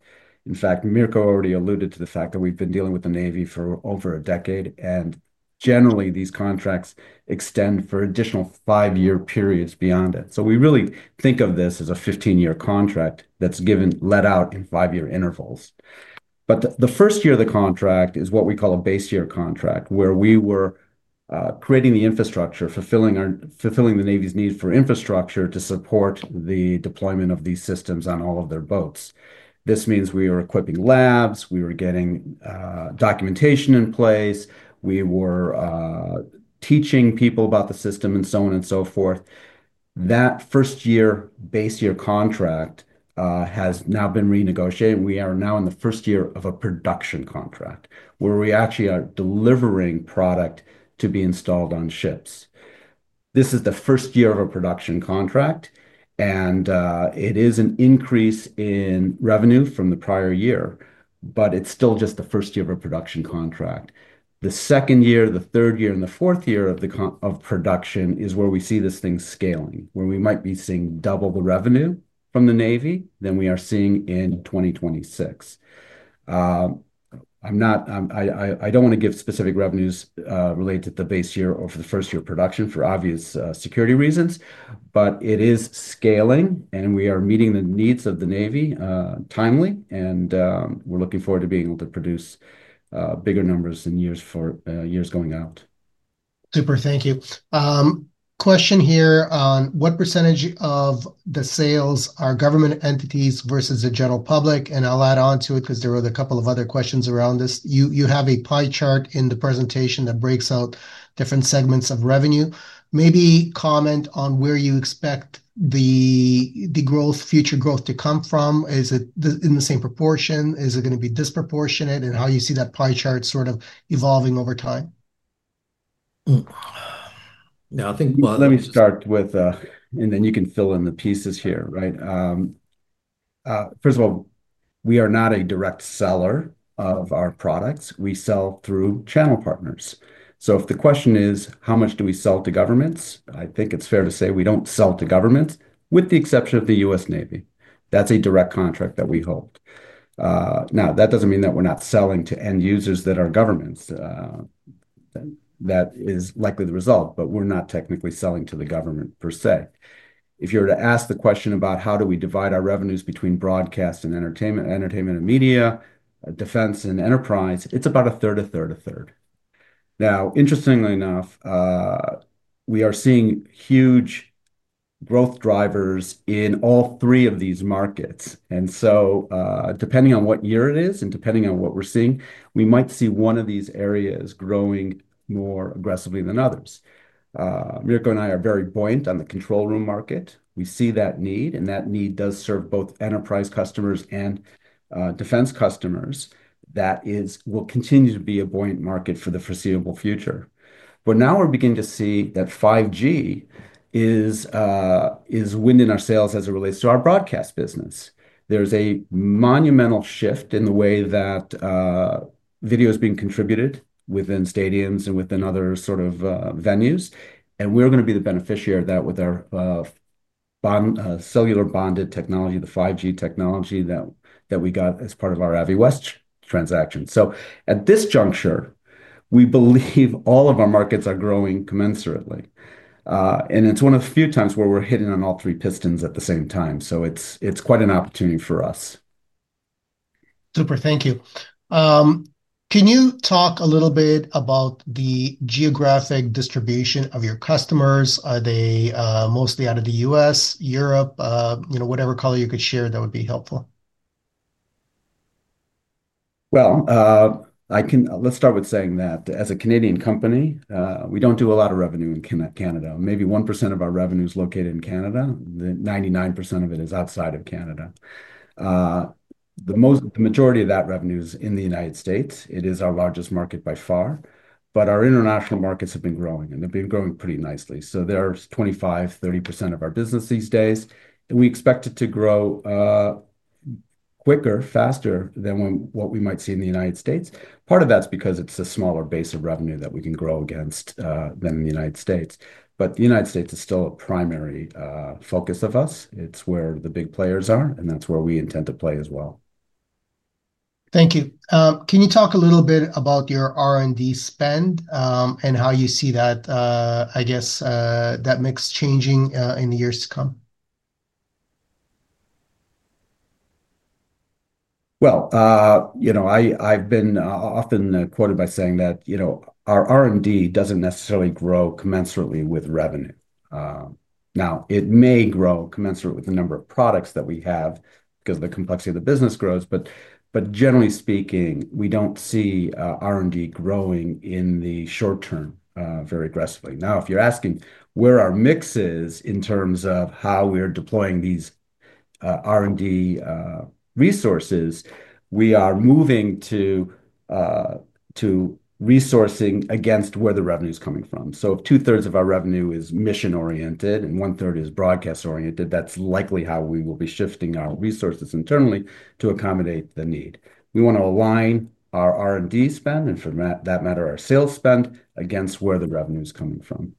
In fact, Miroslav already alluded to the fact that we've been dealing with the U.S. Navy for over a decade, and generally, these contracts extend for additional five-year periods beyond it. We really think of this as a 15-year contract that's given out in five-year intervals. The first year of the contract is what we call a base-year contract, where we were creating the infrastructure, fulfilling the U.S. Navy's need for infrastructure to support the deployment of these systems on all of their boats. This means we were equipping labs, getting documentation in place, teaching people about the system, and so on and so forth. That first-year base-year contract has now been renegotiated. We are now in the first year of a production contract, where we actually are delivering product to be installed on ships. This is the first year of a production contract, and it is an increase in revenue from the prior year, but it's still just the first year of a production contract. The second year, the third year, and the fourth year of production is where we see this thing scaling, where we might be seeing double the revenue from the U.S. Navy than we are seeing in 2026. I don't want to give specific revenues related to the base year or for the first year of production for obvious security reasons, but it is scaling, and we are meeting the needs of the U.S. Navy timely, and we're looking forward to being able to produce bigger numbers in years going out. Super. Thank you. Question here on what % of the sales are government entities versus the general public? I'll add on to it because there were a couple of other questions around this. You have a pie chart in the presentation that breaks out different segments of revenue. Maybe comment on where you expect the growth, future growth to come from. Is it in the same proportion? Is it going to be disproportionate? How do you see that pie chart sort of evolving over time? I think, let me start with, and then you can fill in the pieces here, right? First of all, we are not a direct seller of our products. We sell through channel partners. If the question is how much do we sell to governments, I think it's fair to say we don't sell to governments, with the exception of the U.S. Navy. That's a direct contract that we hold. That doesn't mean that we're not selling to end users that are governments. That is likely the result, but we're not technically selling to the government per se. If you were to ask the question about how do we divide our revenues between broadcast and entertainment, entertainment and media, defense and enterprise, it's about a third, a third, a third. Interestingly enough, we are seeing huge growth drivers in all three of these markets. Depending on what year it is and depending on what we're seeing, we might see one of these areas growing more aggressively than others. Mirco and I are very buoyant on the control room market. We see that need, and that need does serve both enterprise customers and defense customers. That will continue to be a buoyant market for the foreseeable future. Now we're beginning to see that 5G is winding our sales as it relates to our broadcast business. There's a monumental shift in the way that video is being contributed within stadiums and within other sort of venues. We're going to be the beneficiary of that with our cellular bonded technology, the 5G technology that we got as part of our AVI West transaction. At this juncture, we believe all of our markets are growing commensurately. It's one of the few times where we're hitting on all three pistons at the same time. It's quite an opportunity for us. Super. Thank you. Can you talk a little bit about the geographic distribution of your customers? Are they mostly out of the U.S., Europe, you know, whatever color you could share, that would be helpful. As a Canadian company, we don't do a lot of revenue in Canada. Maybe 1% of our revenue is located in Canada. 99% of it is outside of Canada. The majority of that revenue is in the U.S. It is our largest market by far. Our international markets have been growing, and they've been growing pretty nicely. They're 25%, 30% of our business these days. We expect it to grow quicker, faster than what we might see in the U.S. Part of that's because it's a smaller base of revenue that we can grow against than in the U.S. The U.S. is still a primary focus of us. It's where the big players are, and that's where we intend to play as well. Thank you. Can you talk a little bit about your R&D spend and how you see that mix changing in the years to come? I've been often quoted by saying that our R&D doesn't necessarily grow commensurately with revenue. It may grow commensurately with the number of products that we have because the complexity of the business grows. Generally speaking, we don't see R&D growing in the short term very aggressively. If you're asking where our mix is in terms of how we're deploying these R&D resources, we are moving to resourcing against where the revenue is coming from. If two-thirds of our revenue is mission-oriented and one-third is broadcast-oriented, that's likely how we will be shifting our resources internally to accommodate the need. We want to align our R&D spend and, for that matter, our sales spend against where the revenue is coming from.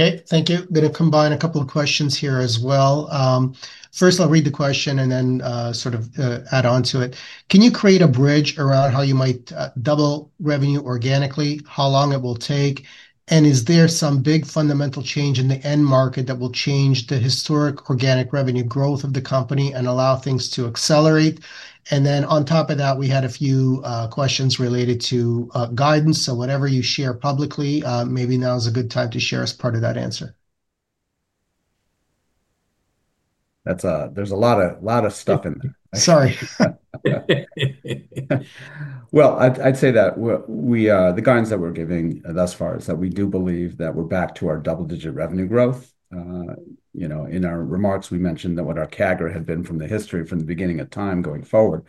Okay, thank you. I'm going to combine a couple of questions here as well. First, I'll read the question and then sort of add on to it. Can you create a bridge around how you might double revenue organically, how long it will take, and is there some big fundamental change in the end market that will change the historic organic revenue growth of the company and allow things to accelerate? On top of that, we had a few questions related to guidance. Whatever you share publicly, maybe now is a good time to share as part of that answer. There's a lot of stuff in there. Sorry. The guidance that we're giving thus far is that we do believe that we're back to our double-digit revenue growth. In our remarks, we mentioned that what our CAGR had been from the history from the beginning of time going forward.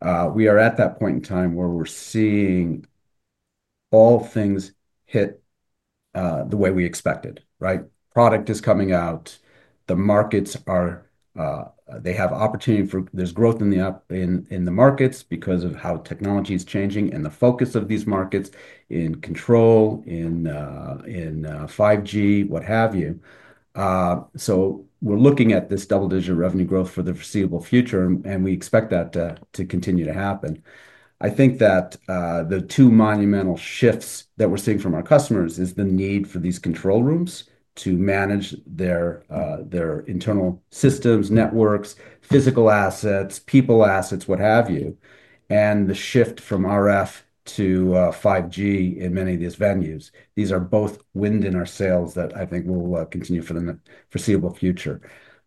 We are at that point in time where we're seeing all things hit the way we expected, right? Product is coming out. The markets are, they have opportunity for, there's growth in the markets because of how technology is changing and the focus of these markets in control, in 5G, what have you. We're looking at this double-digit revenue growth for the foreseeable future, and we expect that to continue to happen. I think that the two monumental shifts that we're seeing from our customers are the need for these control rooms to manage their internal systems, networks, physical assets, people assets, what have you, and the shift from RF to 5G in many of these venues. These are both wind in our sails that I think will continue for the foreseeable future.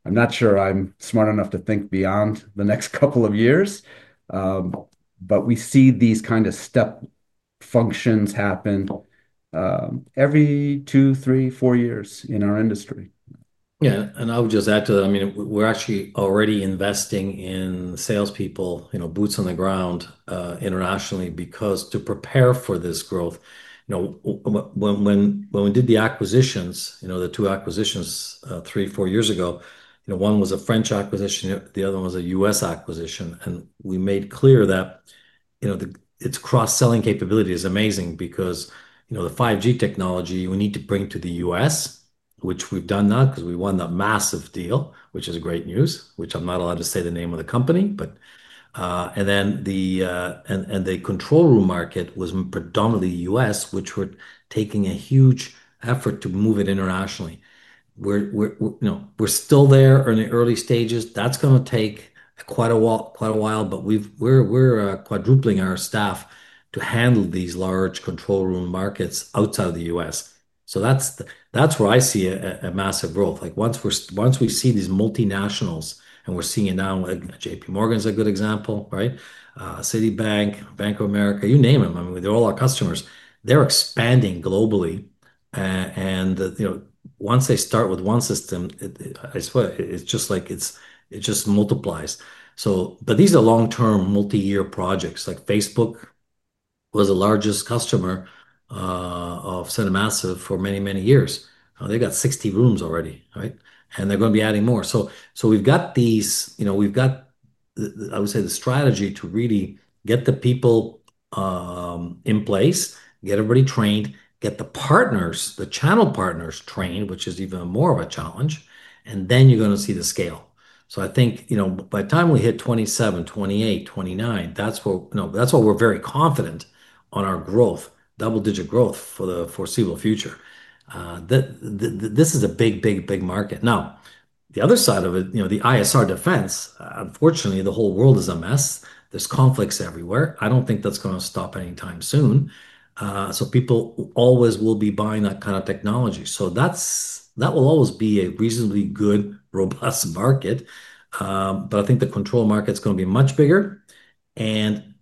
I'm not sure I'm smart enough to think beyond the next couple of years, but we see these kind of step functions happen every two, three, four years in our industry. Yeah, and I would just add to that. I mean, we're actually already investing in salespeople, you know, boots on the ground internationally to prepare for this growth. When we did the acquisitions, the two acquisitions three, four years ago, one was a French acquisition, the other one was a U.S. acquisition. We made clear that its cross-selling capability is amazing because the 5G technology we need to bring to the U.S., which we've done now because we won that massive deal, which is great news, which I'm not allowed to say the name of the company. The control room market was predominantly U.S., which we're taking a huge effort to move internationally. We're still there, early stages. That's going to take quite a while, quite a while, but we're quadrupling our staff to handle these large control room markets outside of the U.S. That's where I see a massive growth. Once we see these multinationals, and we're seeing it now, JPMorgan is a good example, right? Citibank, Bank of America, you name them. I mean, they're all our customers. They're expanding globally. Once they start with one system, I swear, it's just like it just multiplies. These are long-term, multi-year projects. Facebook was the largest customer of Cinemassive for many, many years. They've got 60 rooms already, right? They're going to be adding more. We've got these, I would say, the strategy to really get the people in place, get everybody trained, get the partners, the channel partners trained, which is even more of a challenge. Then you're going to see the scale. I think by the time we hit 2027, 2028, 2029, that's where, that's why we're very confident on our growth, double-digit growth for the foreseeable future. This is a big, big, big market. Now, the other side of it, the ISR defense, unfortunately, the whole world is a mess. There's conflicts everywhere. I don't think that's going to stop anytime soon. People always will be buying that kind of technology. That will always be a reasonably good, robust market. I think the control market is going to be much bigger.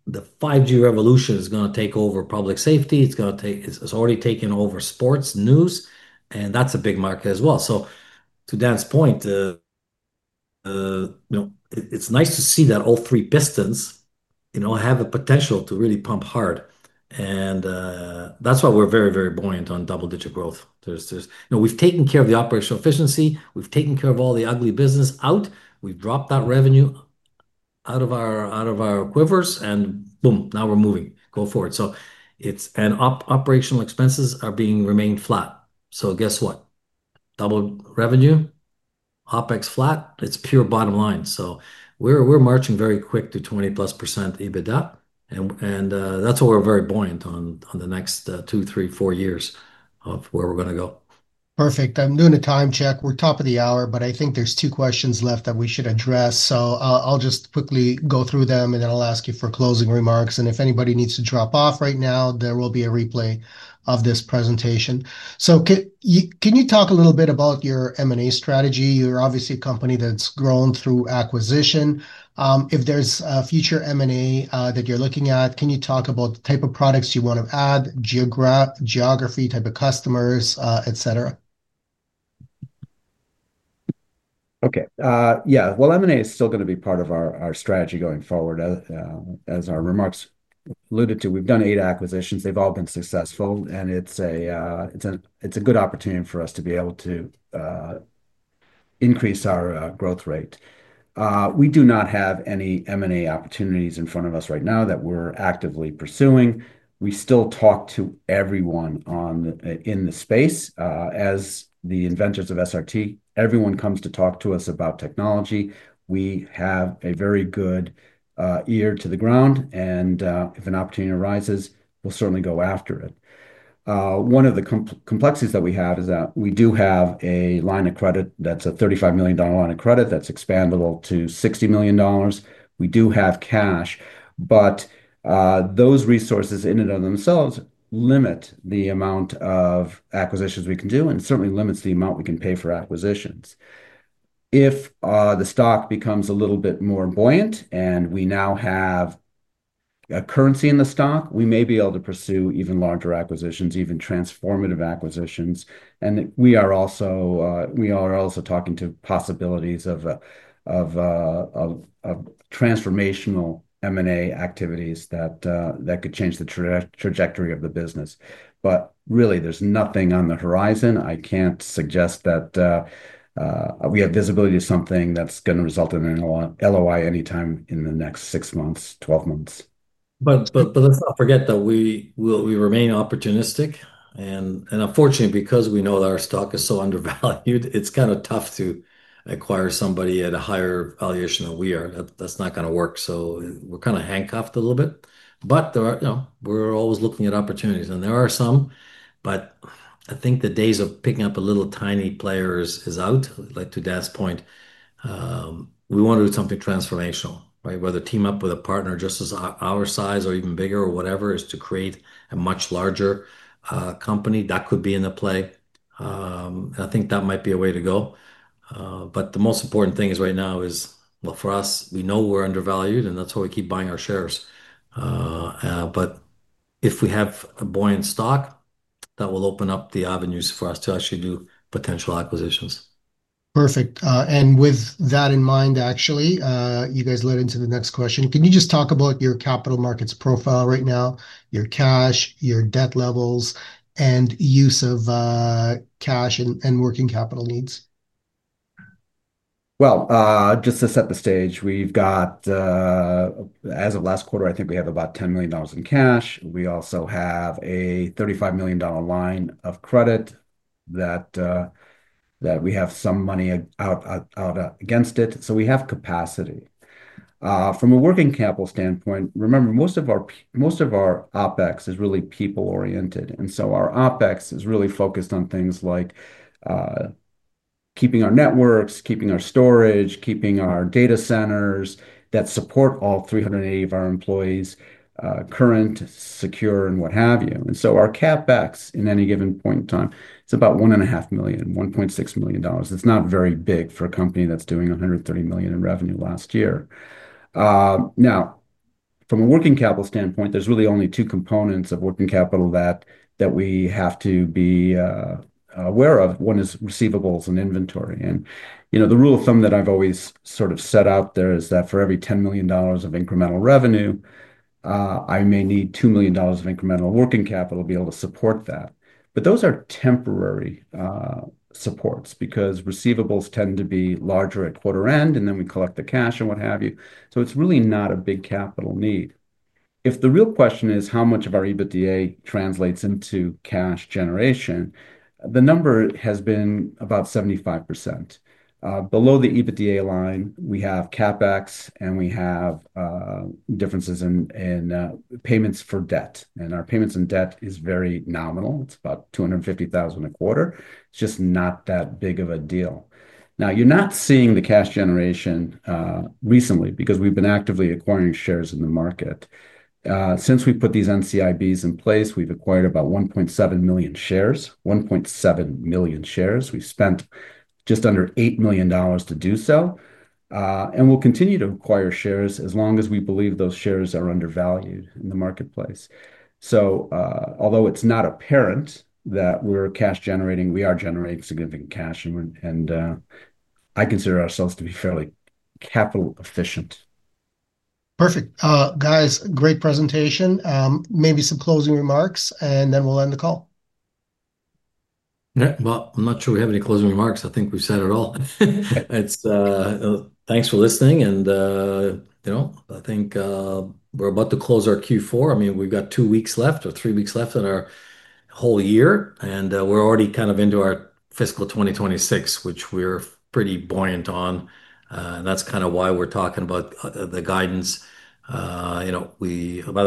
The 5G revolution is going to take over public safety. It's already taken over sports, news, and that's a big market as well. To Dan's point, you know, it's nice to see that all three pistons, you know, have the potential to really pump hard. That's why we're very, very buoyant on double-digit growth. We've taken care of the operational efficiency. We've taken care of all the ugly business out. We've dropped that revenue out of our quivers, and boom, now we're moving. Go forward. Operational expenses are being remained flat. Guess what? Double revenue, OpEx flat. It's pure bottom line. We're marching very quick to 20+% EBITDA. That's why we're very buoyant on the next two, three, four years of where we're going to go. Perfect. I'm doing a time check. We're top of the hour, but I think there's two questions left that we should address. I'll just quickly go through them, and then I'll ask you for closing remarks. If anybody needs to drop off right now, there will be a replay of this presentation. Can you talk a little bit about your M&A strategy? You're obviously a company that's grown through acquisition. If there's a future M&A that you're looking at, can you talk about the type of products you want to add, geography, type of customers, etc.? Okay. M&A is still going to be part of our strategy going forward. As our remarks alluded to, we've done eight acquisitions. They've all been successful, and it's a good opportunity for us to be able to increase our growth rate. We do not have any M&A opportunities in front of us right now that we're actively pursuing. We still talk to everyone in the space. As the inventors of SRT, everyone comes to talk to us about technology. We have a very good ear to the ground. If an opportunity arises, we'll certainly go after it. One of the complexities that we have is that we do have a line of credit that's a $35 million line of credit that's expandable to $60 million. We do have cash, but those resources in and of themselves limit the amount of acquisitions we can do and certainly limit the amount we can pay for acquisitions. If the stock becomes a little bit more buoyant and we now have a currency in the stock, we may be able to pursue even larger acquisitions, even transformative acquisitions. We are also talking to possibilities of transformational M&A activities that could change the trajectory of the business. Really, there's nothing on the horizon. I can't suggest that we have visibility to something that's going to result in an LOI anytime in the next six months, 12 months. Let's not forget that we remain opportunistic. Unfortunately, because we know that our stock is so undervalued, it's kind of tough to acquire somebody at a higher valuation than we are. That's not going to work. We're kind of handcuffed a little bit. We're always looking at opportunities, and there are some, but I think the days of picking up little tiny players is out. Like to Dan's point, we want to do something transformational, right? Whether team up with a partner just as our size or even bigger or whatever is to create a much larger company that could be in the play. I think that might be a way to go. The most important thing right now is, for us, we know we're undervalued, and that's why we keep buying our shares. If we have a buoyant stock, that will open up the avenues for us to actually do potential acquisitions. Perfect. With that in mind, you guys led into the next question. Can you just talk about your capital markets profile right now, your cash, your debt levels, and use of cash and working capital needs? Just to set the stage, we've got, as of last quarter, I think we have about $10 million in cash. We also have a $35 million line of credit that we have some money out against it. We have capacity. From a working capital standpoint, remember, most of our OpEx is really people-oriented. Our OpEx is really focused on things like keeping our networks, keeping our storage, keeping our data centers that support all 380 of our employees current, secure, and what have you. Our CapEx at any given point in time is about $1.5 million, $1.6 million. It's not very big for a company that's doing $130 million in revenue last year. From a working capital standpoint, there's really only two components of working capital that we have to be aware of. One is receivables and inventory. The rule of thumb that I've always sort of set out there is that for every $10 million of incremental revenue, I may need $2 million of incremental working capital to be able to support that. Those are temporary supports because receivables tend to be larger at quarter end, and then we collect the cash and what have you. It's really not a big capital need. If the real question is how much of our EBITDA translates into cash generation, the number has been about 75%. Below the EBITDA line, we have CapEx and we have differences in payments for debt. Our payments in debt are very nominal. It's about $250,000 a quarter. It's just not that big of a deal. You're not seeing the cash generation recently because we've been actively acquiring shares in the market. Since we put these NCIBs in place, we've acquired about 1.7 million shares. 1.7 million shares. We've spent just under $8 million to do so. We'll continue to acquire shares as long as we believe those shares are undervalued in the marketplace. Although it's not apparent that we're cash generating, we are generating significant cash. I consider ourselves to be fairly capital efficient. Perfect. Guys, great presentation. Maybe some closing remarks and then we'll end the call. I'm not sure we have any closing remarks. I think we've said it all. Thanks for listening. I think we're about to close our Q4. We've got two weeks left or three weeks left in our whole year, and we're already kind of into our fiscal 2026, which we're pretty buoyant on. That's kind of why we're talking about the guidance. By the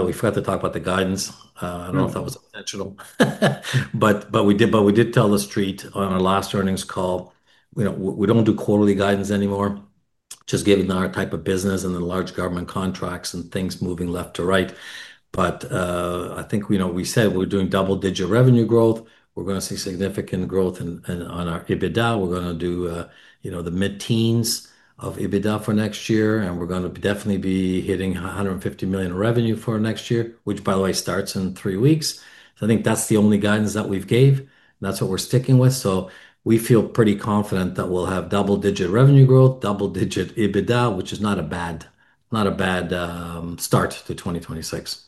way, we forgot to talk about the guidance. I don't know if that was intentional. We did tell the street on our last earnings call, we don't do quarterly guidance anymore, just given our type of business and the large government contracts and things moving left to right. I think we said we're doing double-digit revenue growth. We're going to see significant growth on our EBITDA. We're going to do the mid-teens of EBITDA for next year, and we're going to definitely be hitting $150 million in revenue for next year, which, by the way, starts in three weeks. I think that's the only guidance that we've gave. That's what we're sticking with. We feel pretty confident that we'll have double-digit revenue growth, double-digit EBITDA, which is not a bad, not a bad start to 2026.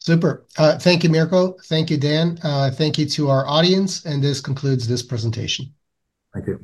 Super. Thank you, Miroslav. Thank you, Dan. Thank you to our audience. This concludes this presentation. Thank you.